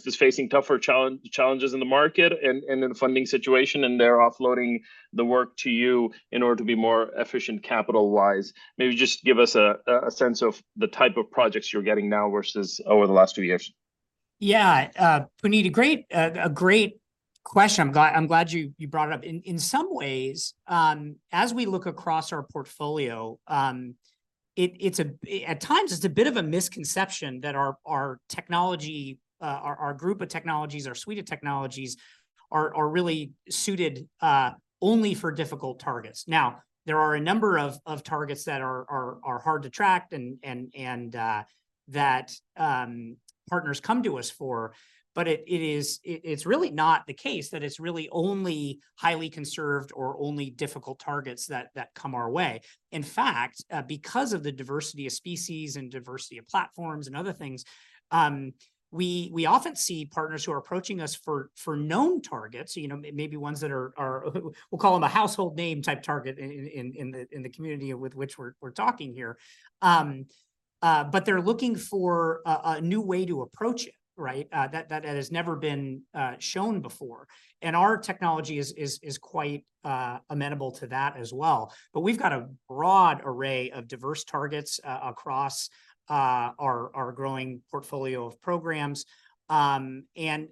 is facing tougher challenges in the market and in the funding situation, and they're offloading the work to you in order to be more efficient capital-wise. Maybe just give us a sense of the type of projects you're getting now versus over the last few years. Yeah, Puneet, a great question. I'm glad you brought it up. In some ways, as we look across our portfolio, it's at times a bit of a misconception that our technology, our group of technologies, our suite of technologies are really suited only for difficult targets. Now, there are a number of targets that are hard to track and that partners come to us for, but it is really not the case that it's really only highly conserved or only difficult targets that come our way. In fact, because of the diversity of species and diversity of platforms and other things, we often see partners who are approaching us for known targets, you know, maybe ones that are we'll call them a household name type target in the community with which we're talking here. But they're looking for a new way to approach it, right? That has never been shown before. And our technology is quite amenable to that as well. But we've got a broad array of diverse targets across our growing portfolio of programs. And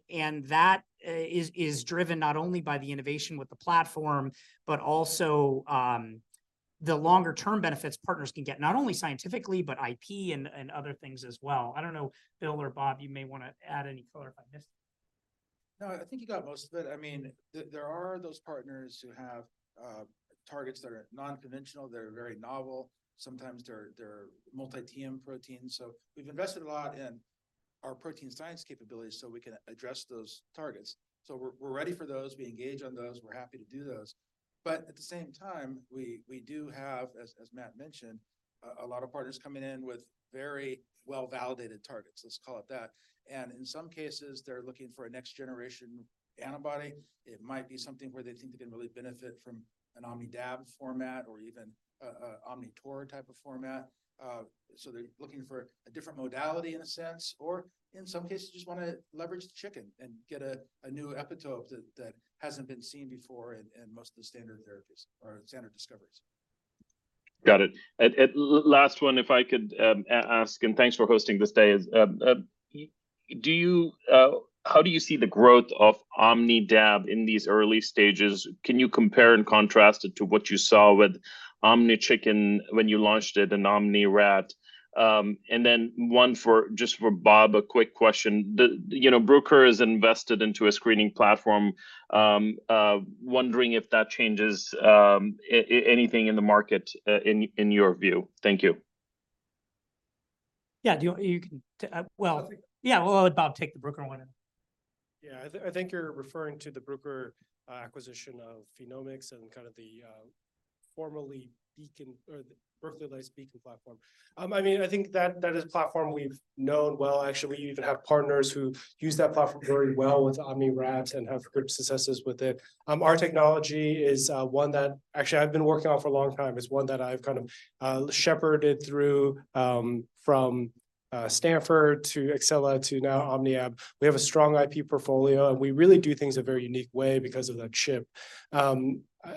that is driven not only by the innovation with the platform, but also the longer term benefits partners can get, not only scientifically, but IP and other things as well. I don't know, Bill or Bob, you may want to add any color if I missed. No, I think you got most of it. I mean, there are those partners who have targets that are non-conventional, they're very novel. Sometimes they're multi-TM proteins. So we've invested a lot in our protein science capabilities, so we can address those targets. So we're ready for those, we engage on those, we're happy to do those. But at the same time, we do have, as Matt mentioned, a lot of partners coming in with very well-validated targets, let's call it that. And in some cases, they're looking for a next generation antibody. It might be something where they think they can really benefit from an OmnidAb format or even a OmniTaur type of format. So, they're looking for a different modality in a sense, or in some cases, just want to leverage the chicken and get a new epitope that hasn't been seen before in most of the standard therapies or standard discoveries. Got it. And last one, if I could ask, and thanks for hosting this day. How do you see the growth of OmnidAb in these early stages? Can you compare and contrast it to what you saw with OmniChicken when you launched it, and OmniRat? And then one for just for Bob, a quick question. The, you know, Bruker is invested into a screening platform. Wondering if that changes anything in the market, in your view. Thank you. Yeah, you can, well- I think- Yeah, well, I'll let Bob take the Bruker one. Yeah, I think you're referring to the Bruker acquisition of PhenomeX and kind of the formerly Beacon, or the formerly Beacon platform. I mean, I think that is a platform we've known well. Actually, we even have partners who use that platform very well with OmniRat and have great successes with it. Our technology is one that actually, I've been working on for a long time, is one that I've kind of shepherded through from Stanford to xCella to now OmniAb. We have a strong IP portfolio, and we really do things a very unique way because of that chip.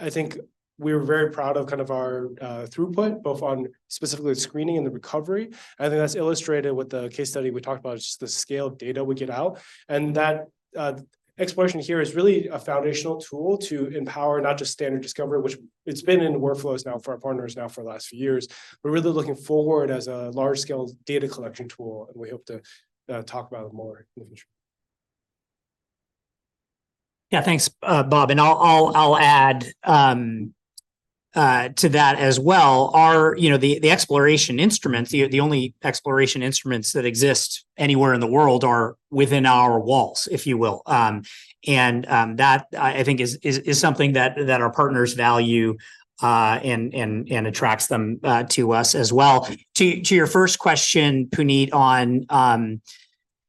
I think we're very proud of kind of our throughput, both on specifically the screening and the recovery. I think that's illustrated with the case study we talked about, just the scale of data we get out. And that, xPloration here is really a foundational tool to empower, not just standard discovery, which it's been in the workflows now for our partners now for the last few years. We're really looking forward as a large-scale data collection tool, and we hope to, talk about it more in the future. Yeah, thanks, Bob. And I'll add to that as well. You know, the xPloration instruments, the only xPloration instruments that exist anywhere in the world are within our walls, if you will. And that I think is something that our partners value and attracts them to us as well. To your first question, Puneet, on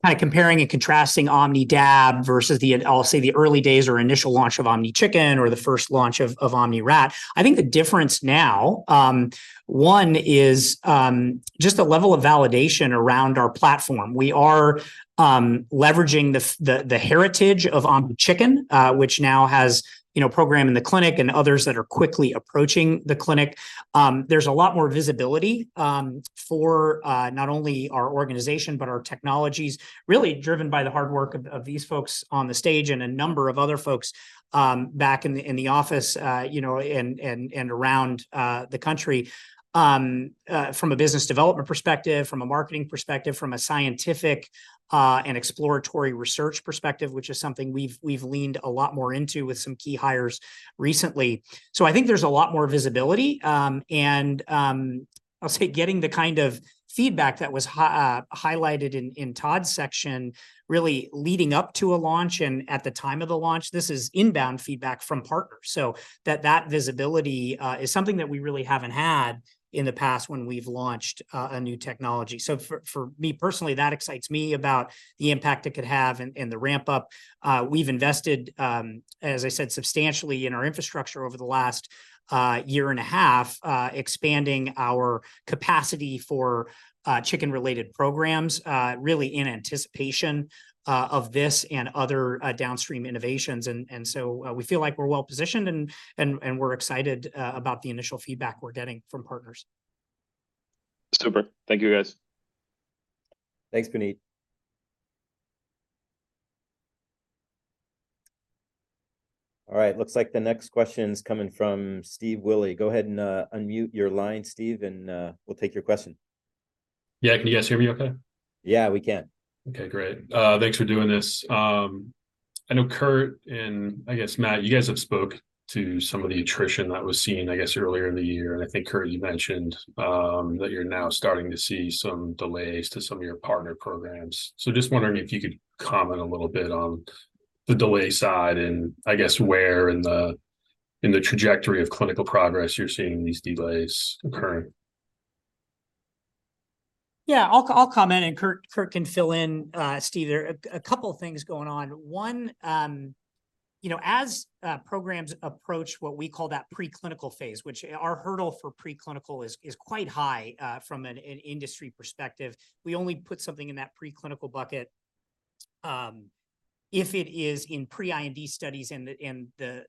kind of comparing and contrasting OmnidAb versus the, I'll say, the early days or initial launch of OmniChicken or the first launch of OmniRat, I think the difference now, one is just the level of validation around our platform. We are leveraging the heritage of OmniChicken, which now has, you know, program in the clinic and others that are quickly approaching the clinic. There's a lot more visibility for not only our organization, but our technologies, really driven by the hard work of these folks on the stage and a number of other folks back in the office, you know, and around the country. From a business development perspective, from a marketing perspective, from a scientific and exploratory research perspective, which is something we've leaned a lot more into with some key hires recently. So I think there's a lot more visibility, and I'll say, getting the kind of feedback that was highlighted in Todd's section, really leading up to a launch and at the time of the launch, this is inbound feedback from partners. So that visibility is something that we really haven't had in the past when we've launched a new technology. So for me personally, that excites me about the impact it could have and the ramp up. We've invested, as I said, substantially in our infrastructure over the last year and a half, expanding our capacity for chicken-related programs, really in anticipation of this and other downstream innovations. So we feel like we're well positioned and we're excited about the initial feedback we're getting from partners. Super. Thank you, guys. Thanks, Puneet. All right, looks like the next question's coming from Steve Willey. Go ahead and unmute your line, Steve, and we'll take your question. Yeah, can you guys hear me okay? Yeah, we can. Okay, great. Thanks for doing this. I know Kurt and I guess Matt, you guys have spoke to some of the attrition that was seen, I guess, earlier in the year. And I think, Kurt, you mentioned that you're now starting to see some delays to some of your partner programs. So just wondering if you could comment a little bit on the delay side, and I guess where in the trajectory of clinical progress you're seeing these delays occurring? Yeah, I'll comment, and Kurt can fill in, Steve. There are a couple of things going on. One, you know, as programs approach what we call that preclinical phase, which our hurdle for preclinical is quite high from an industry perspective. We only put something in that preclinical bucket if it is in pre-IND studies and the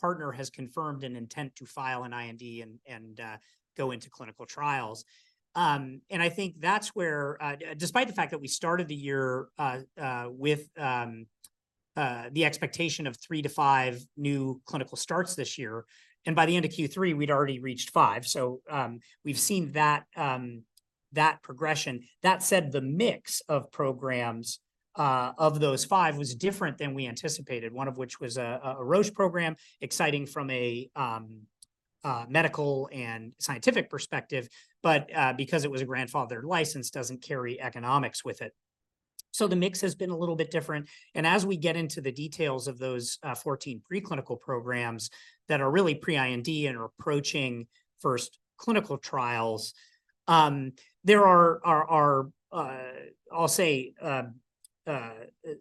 partner has confirmed an intent to file an IND and go into clinical trials. And I think that's where, despite the fact that we started the year with the expectation of 3-5 new clinical starts this year, and by the end of Q3, we'd already reached 5. So, we've seen that progression. That said, the mix of programs of those 5 was different than we anticipated. One of which was a Roche program, exciting from a medical and scientific perspective, but because it was a grandfathered license, doesn't carry economics with it. So the mix has been a little bit different, and as we get into the details of those 14 preclinical programs that are really pre-IND and are approaching first clinical trials, there are I'll say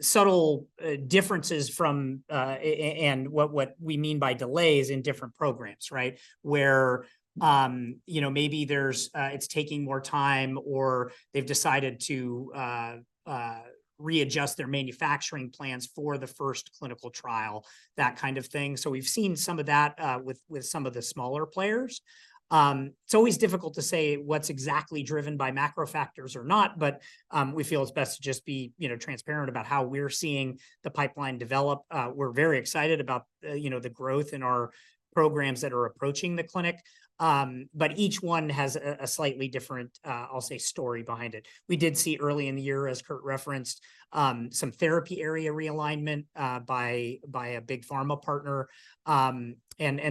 subtle differences from and what we mean by delays in different programs, right? Where you know, maybe there's it's taking more time, or they've decided to readjust their manufacturing plans for the first clinical trial, that kind of thing. So we've seen some of that with some of the smaller players. It's always difficult to say what's exactly driven by macro factors or not, but we feel it's best to just be, you know, transparent about how we're seeing the pipeline develop. We're very excited about, you know, the growth in our programs that are approaching the clinic. But each one has a slightly different, I'll say, story behind it. We did see early in the year, as Kurt referenced, some therapy area realignment by a big pharma partner. And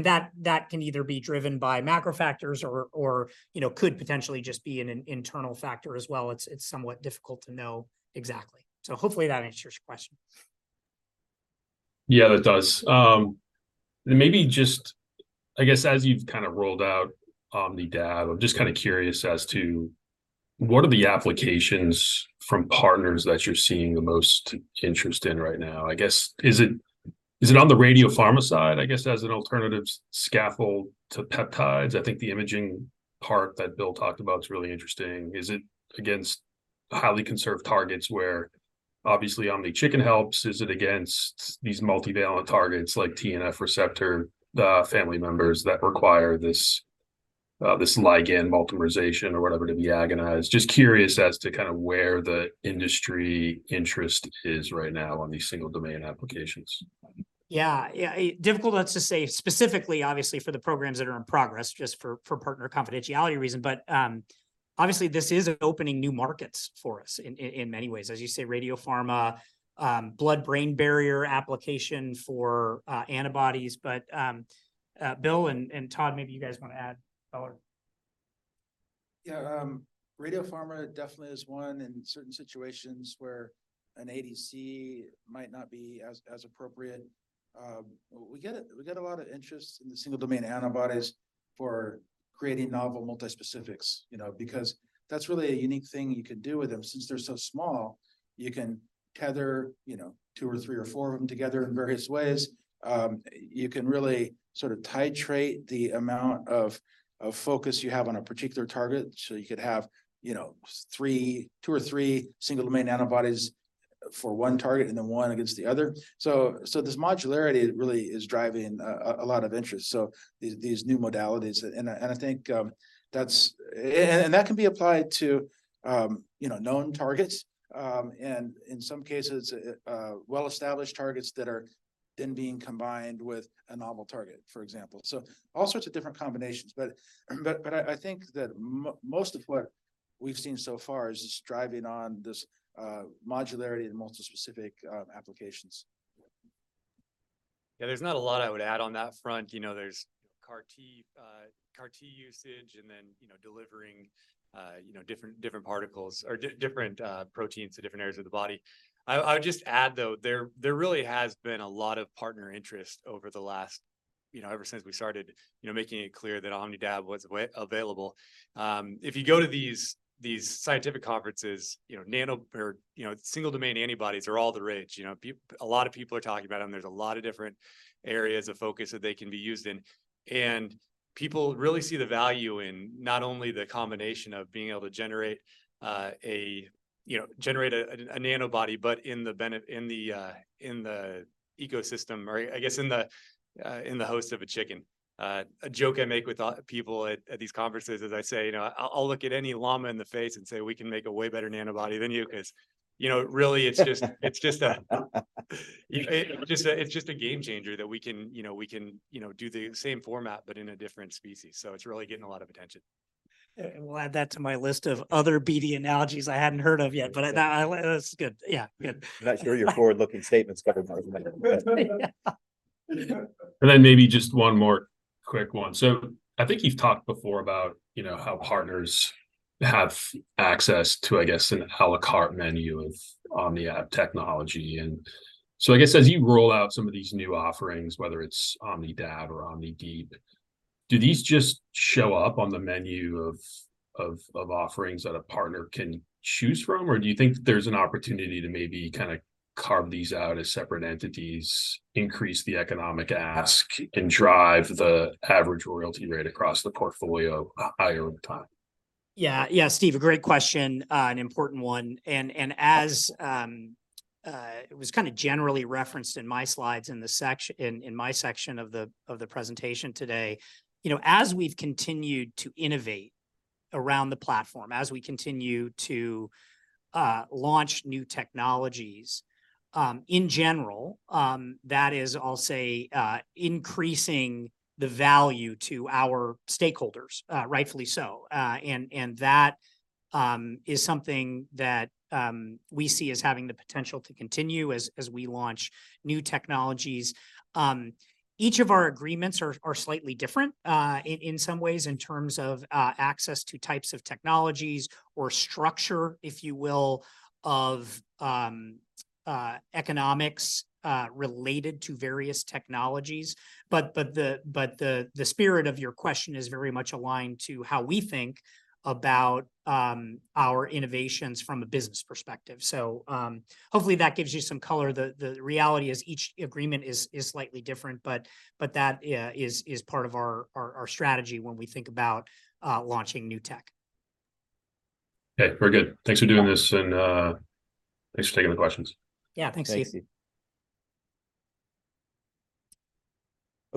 that can either be driven by macro factors or, you know, could potentially just be an internal factor as well. It's somewhat difficult to know exactly. So hopefully that answers your question. Yeah, it does. Maybe just, I guess, as you've kind of rolled out OmnidAb, I'm just kind of curious as to what are the applications from partners that you're seeing the most interest in right now? I guess, is it, is it on the radiopharma side, I guess, as an alternative scaffold to peptides? I think the imaging part that Bill talked about is really interesting. Is it against highly conserved targets, where obviously, OmniChicken helps? Is it against these multivalent targets, like TNF receptor, family members that require this, this ligand multimerization or whatever to be agonized? Just curious as to kind of where the industry interest is right now on these single-domain applications. Yeah, yeah. Difficult not to say specifically, obviously, for the programs that are in progress, just for partner confidentiality reason. But, obviously, this is opening new markets for us in many ways. As you say, radiopharma, blood-brain barrier application for antibodies. But, Bill and Todd, maybe you guys want to add more? Yeah, radiopharma definitely is one in certain situations where an ADC might not be as appropriate. We get a lot of interest in the single-domain antibodies for creating novel multispecifics. You know, because that's really a unique thing you can do with them. Since they're so small, you can tether, you know, two or three or four of them together in various ways. You can really sort of titrate the amount of focus you have on a particular target. So you could have, you know, two or three single-domain antibodies for one target and then one against the other. So this modularity really is driving a lot of interest, so these new modalities. I think that's... And that can be applied to, you know, known targets, and in some cases, well-established targets that are then being combined with a novel target, for example. So all sorts of different combinations, but I think that most of what we've seen so far is just driving on this modularity and multispecific applications. Yeah, there's not a lot I would add on that front. You know, there's CAR-T, CAR-T usage and then, you know, delivering, you know, different, different particles or different proteins to different areas of the body. I would just add, though, there really has been a lot of partner interest over the last, you know, ever since we started, you know, making it clear that OmnidAb was available. If you go to these, these scientific conferences, you know, nano or, you know, single domain antibodies are all the rage. You know, a lot of people are talking about them. There's a lot of different areas of focus that they can be used in, and people really see the value in not only the combination of being able to generate, you know, generate a nanobody, but in the ecosystem, or I guess, in the host of a chicken. A joke I make with people at these conferences is I say, "You know, I'll look at any llama in the face and say, we can make a way better nanobody than you." 'Cause, you know, really it's just a game changer that we can, you know, do the same format but in a different species. So it's really getting a lot of attention.... We'll add that to my list of other BD analogies I hadn't heard of yet, but that's good. Yeah, good. I'm not sure your forward-looking statements going anymore. Then maybe just one more quick one. So I think you've talked before about, you know, how partners have access to, I guess, an à la carte menu of OmniAb technology. And so I guess as you roll out some of these new offerings, whether it's OmnidAb or OmniDeep, do these just show up on the menu of offerings that a partner can choose from, or do you think there's an opportunity to maybe kind of carve these out as separate entities, increase the economic ask, and drive the average royalty rate across the portfolio higher over time? Yeah. Yeah, Steve, a great question, an important one. And, as it was kind of generally referenced in my slides in the section, in my section of the presentation today, you know, as we've continued to innovate around the platform, as we continue to launch new technologies, in general, that is, I'll say, increasing the value to our stakeholders, rightfully so. And that is something that we see as having the potential to continue as we launch new technologies. Each of our agreements are slightly different, in some ways, in terms of access to types of technologies or structure, if you will, of economics related to various technologies. But the spirit of your question is very much aligned to how we think about our innovations from a business perspective. So, hopefully that gives you some color. The reality is each agreement is slightly different, but that is part of our strategy when we think about launching new tech. Okay, very good. Thanks for doing this and, thanks for taking the questions. Yeah. Thanks, Steve.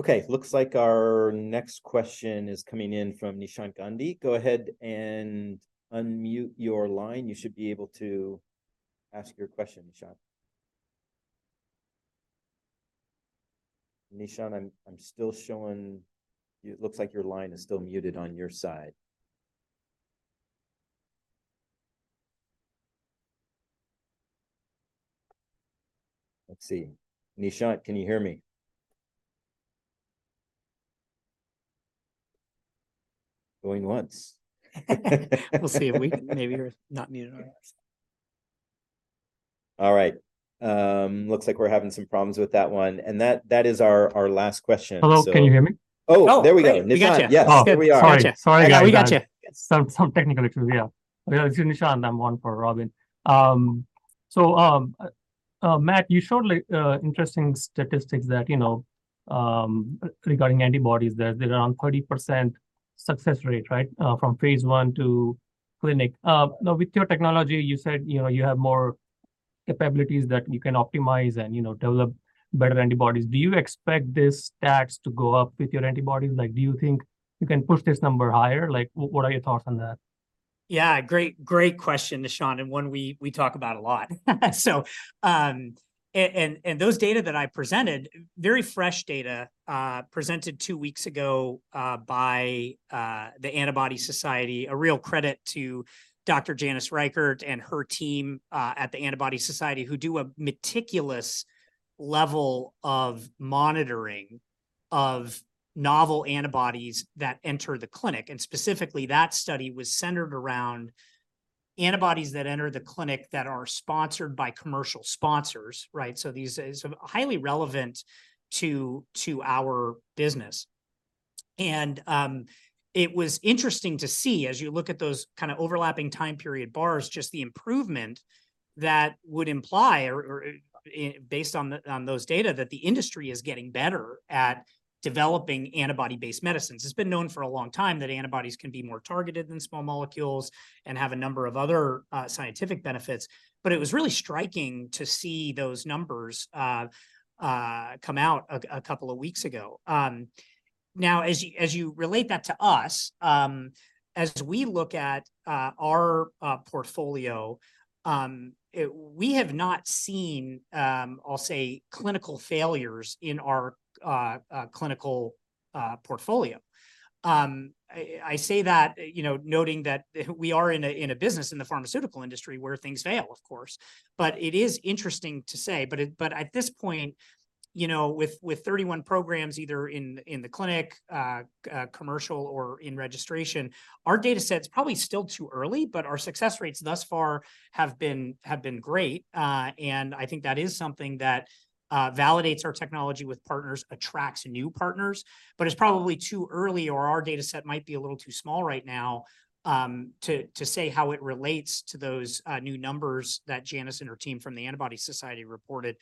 Thanks, Steve. Okay, looks like our next question is coming in from Nishant Gandhi. Go ahead and unmute your line. You should be able to ask your question, Nishant. Nishant, I'm, I'm still showing... It looks like your line is still muted on your side. Let's see. Nishant, can you hear me? Going once. We'll see if we can make sure we're not muted on our end. All right, looks like we're having some problems with that one, and that is our last question. Hello, can you hear me? Oh, there we go. We got you. Yes, here we are. Sorry. Sorry, guys. We got you. Some technical issues. Yeah. It's Nishant, I'm on for Robyn. So, Matt, you showed like interesting statistics that, you know, regarding antibodies, that they're around 30% success rate, right? From phase 1 to clinic. Now, with your technology, you said, you know, you have more capabilities that you can optimize and, you know, develop better antibodies. Do you expect the stats to go up with your antibodies? Like, do you think you can push this number higher? Like, what are your thoughts on that? Yeah, great, great question, Nishant, and one we talk about a lot. So, those data that I presented, very fresh data, presented two weeks ago, by the Antibody Society, a real credit to Dr. Janice Reichert and her team at the Antibody Society, who do a meticulous level of monitoring of novel antibodies that enter the clinic. And specifically, that study was centered around antibodies that enter the clinic that are sponsored by commercial sponsors, right? So these are highly relevant to our business. And it was interesting to see, as you look at those kind of overlapping time period bars, just the improvement that would imply, or based on those data, that the industry is getting better at developing antibody-based medicines. It's been known for a long time that antibodies can be more targeted than small molecules and have a number of other scientific benefits. But it was really striking to see those numbers come out a couple of weeks ago. Now, as you relate that to us, as we look at our portfolio, we have not seen, I'll say, clinical failures in our clinical portfolio. I say that, you know, noting that we are in a business in the pharmaceutical industry where things fail, of course, but it is interesting to say. But at this point, you know, with 31 programs either in the clinic, commercial or in registration, our data set's probably still too early, but our success rates thus far have been great. And I think that is something that validates our technology with partners, attracts new partners, but it's probably too early, or our data set might be a little too small right now, to say how it relates to those new numbers that Janice and her team from the Antibody Society reported.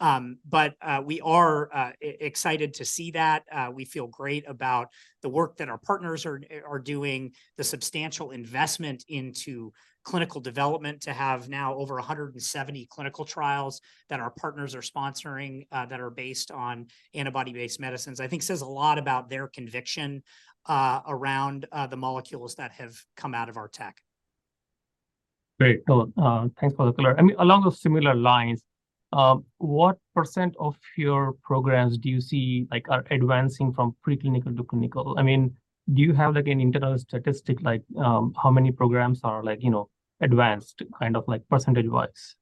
But we are excited to see that; we feel great about the work that our partners are doing. The substantial investment into clinical development to have now over 170 clinical trials that our partners are sponsoring, that are based on antibody-based medicines, I think, says a lot about their conviction around the molecules that have come out of our tech.... Great, cool, thanks for the color. I mean, along those similar lines, what percent of your programs do you see, like, are advancing from preclinical to clinical? I mean, do you have, like, an internal statistic, like, how many programs are like, you know, advanced, kind of like percentage-wise?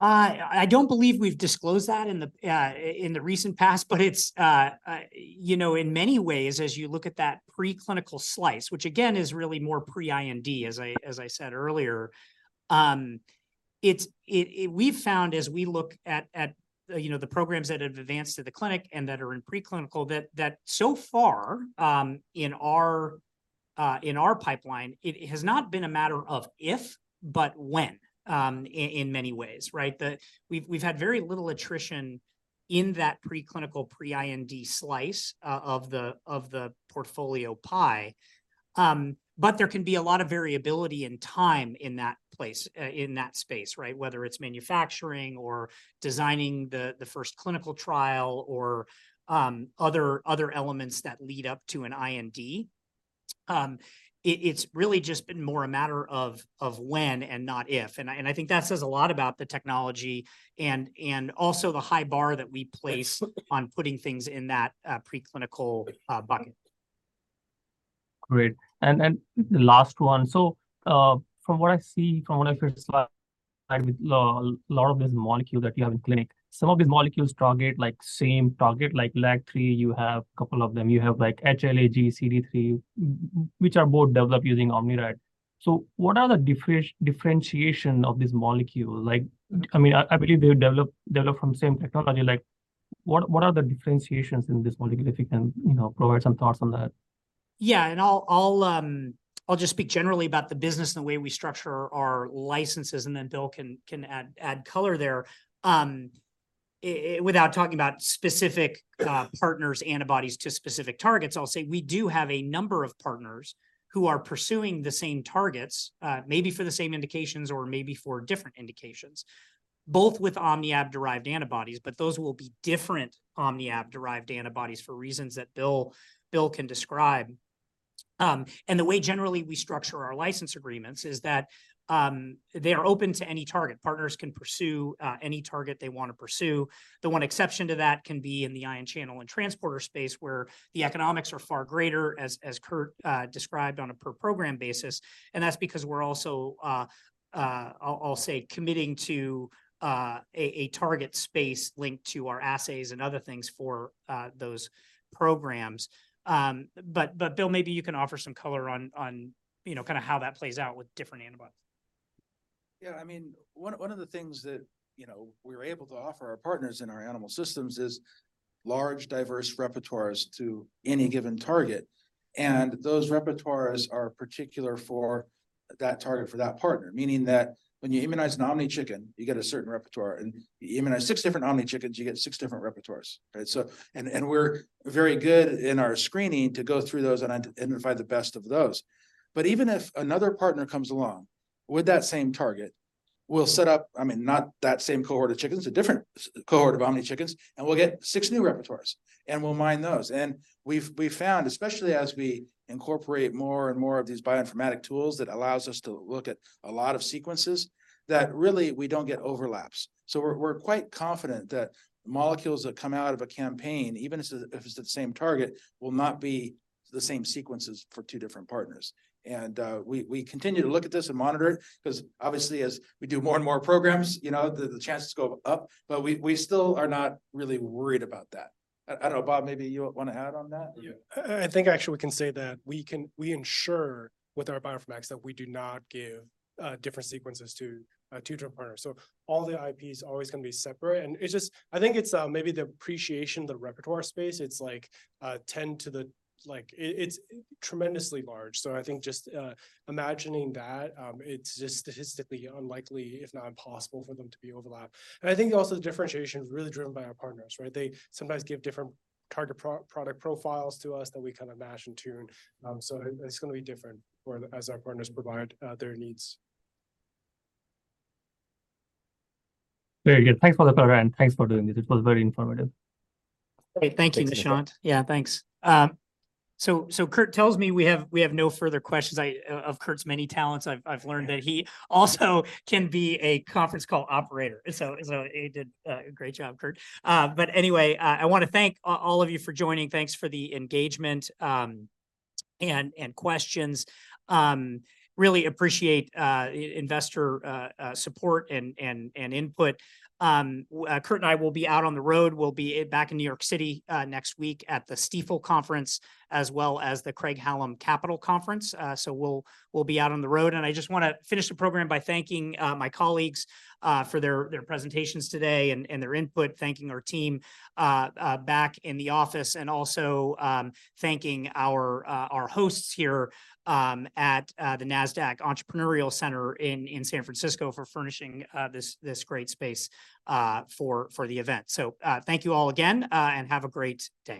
I don't believe we've disclosed that in the recent past, but it's, you know, in many ways, as you look at that preclinical slice, which again is really more pre-IND, as I said earlier. We've found as we look at, you know, the programs that have advanced to the clinic and that are in preclinical, that so far in our pipeline, it has not been a matter of if, but when, in many ways, right? We've had very little attrition in that preclinical pre-IND slice of the portfolio pie. But there can be a lot of variability and time in that place in that space, right? Whether it's manufacturing or designing the first clinical trial or other elements that lead up to an IND. It's really just been more a matter of when and not if, and I think that says a lot about the technology and also the high bar that we place on putting things in that preclinical bucket. Great. And the last one, so from what I see, from what I... a lot of this molecule that you have in clinic, some of these molecules target like same target, like LAG-3, you have a couple of them. You have like HLA-G, CD3, which are both developed using OmniRat. So what are the differentiation of this molecule like? I mean, I believe they develop from the same technology, like what are the differentiations in this molecule, if you can, you know, provide some thoughts on that? Yeah, and I'll just speak generally about the business and the way we structure our licenses, and then Bill can add color there. Without talking about specific partners, antibodies to specific targets, I'll say we do have a number of partners who are pursuing the same targets, maybe for the same indications or maybe for different indications, both with OmniAb-derived antibodies, but those will be different OmniAb-derived antibodies for reasons that Bill can describe. The way generally we structure our license agreements is that they are open to any target. Partners can pursue any target they want to pursue. The one exception to that can be in the ion channel and transporter space, where the economics are far greater as Kurt described, on a per program basis, and that's because we're also, I'll say, committing to a target space linked to our assays and other things for those programs. But Bill, maybe you can offer some color on, you know, kind of how that plays out with different antibodies. Yeah, I mean, one of the things that, you know, we're able to offer our partners in our animal systems is large, diverse repertoires to any given target, and those repertoires are particular for that target, for that partner. Meaning that when you immunize an OmniChicken, you get a certain repertoire, and you immunize 6 different OmniChickens, you get 6 different repertoires, right? So, we're very good in our screening to go through those and identify the best of those. But even if another partner comes along with that same target, we'll set up, I mean, not that same cohort of chickens, a different cohort of OmniChickens, and we'll get 6 new repertoires, and we'll mine those. And we've found, especially as we incorporate more and more of these bioinformatic tools, that allows us to look at a lot of sequences that really we don't get overlaps. So we're quite confident that molecules that come out of a campaign, even if it's the same target, will not be the same sequences for two different partners. And we continue to look at this and monitor it, 'cause obviously, as we do more and more programs, you know, the chances go up, but we still are not really worried about that. I don't know, Bob, maybe you want to add on that? Yeah. I, I think actually we can say that we can—we ensure with our bioinformatics that we do not give different sequences to two different partners. So all the IP is always going to be separate, and it's just, I think it's, maybe the appreciation of the repertoire space. It's like, 10 to the... like, it, it's tremendously large. So I think just, imagining that, it's just statistically unlikely, if not impossible, for them to be overlapped. And I think also the differentiation is really driven by our partners, right? They sometimes give different target product profiles to us that we kind of match and tune. So it, it's going to be different, as our partners provide their needs. Very good. Thanks for the color, and thanks for doing this. It was very informative. Great, thank you, Nishant. Yeah, thanks. So Kurt tells me we have no further questions. Of Kurt's many talents, I've learned that he also can be a conference call operator, so he did a great job, Kurt. But anyway, I want to thank all of you for joining. Thanks for the engagement, and questions. Really appreciate investor support and input. Kurt and I will be out on the road. We'll be back in New York City next week at the Stifel Conference, as well as the Craig-Hallum Capital Conference. So we'll be out on the road, and I just want to finish the program by thanking my colleagues for their presentations today and their input, thanking our team back in the office, and also thanking our hosts here at the Nasdaq Entrepreneurial Center in San Francisco for furnishing this great space for the event. So thank you all again, and have a great day.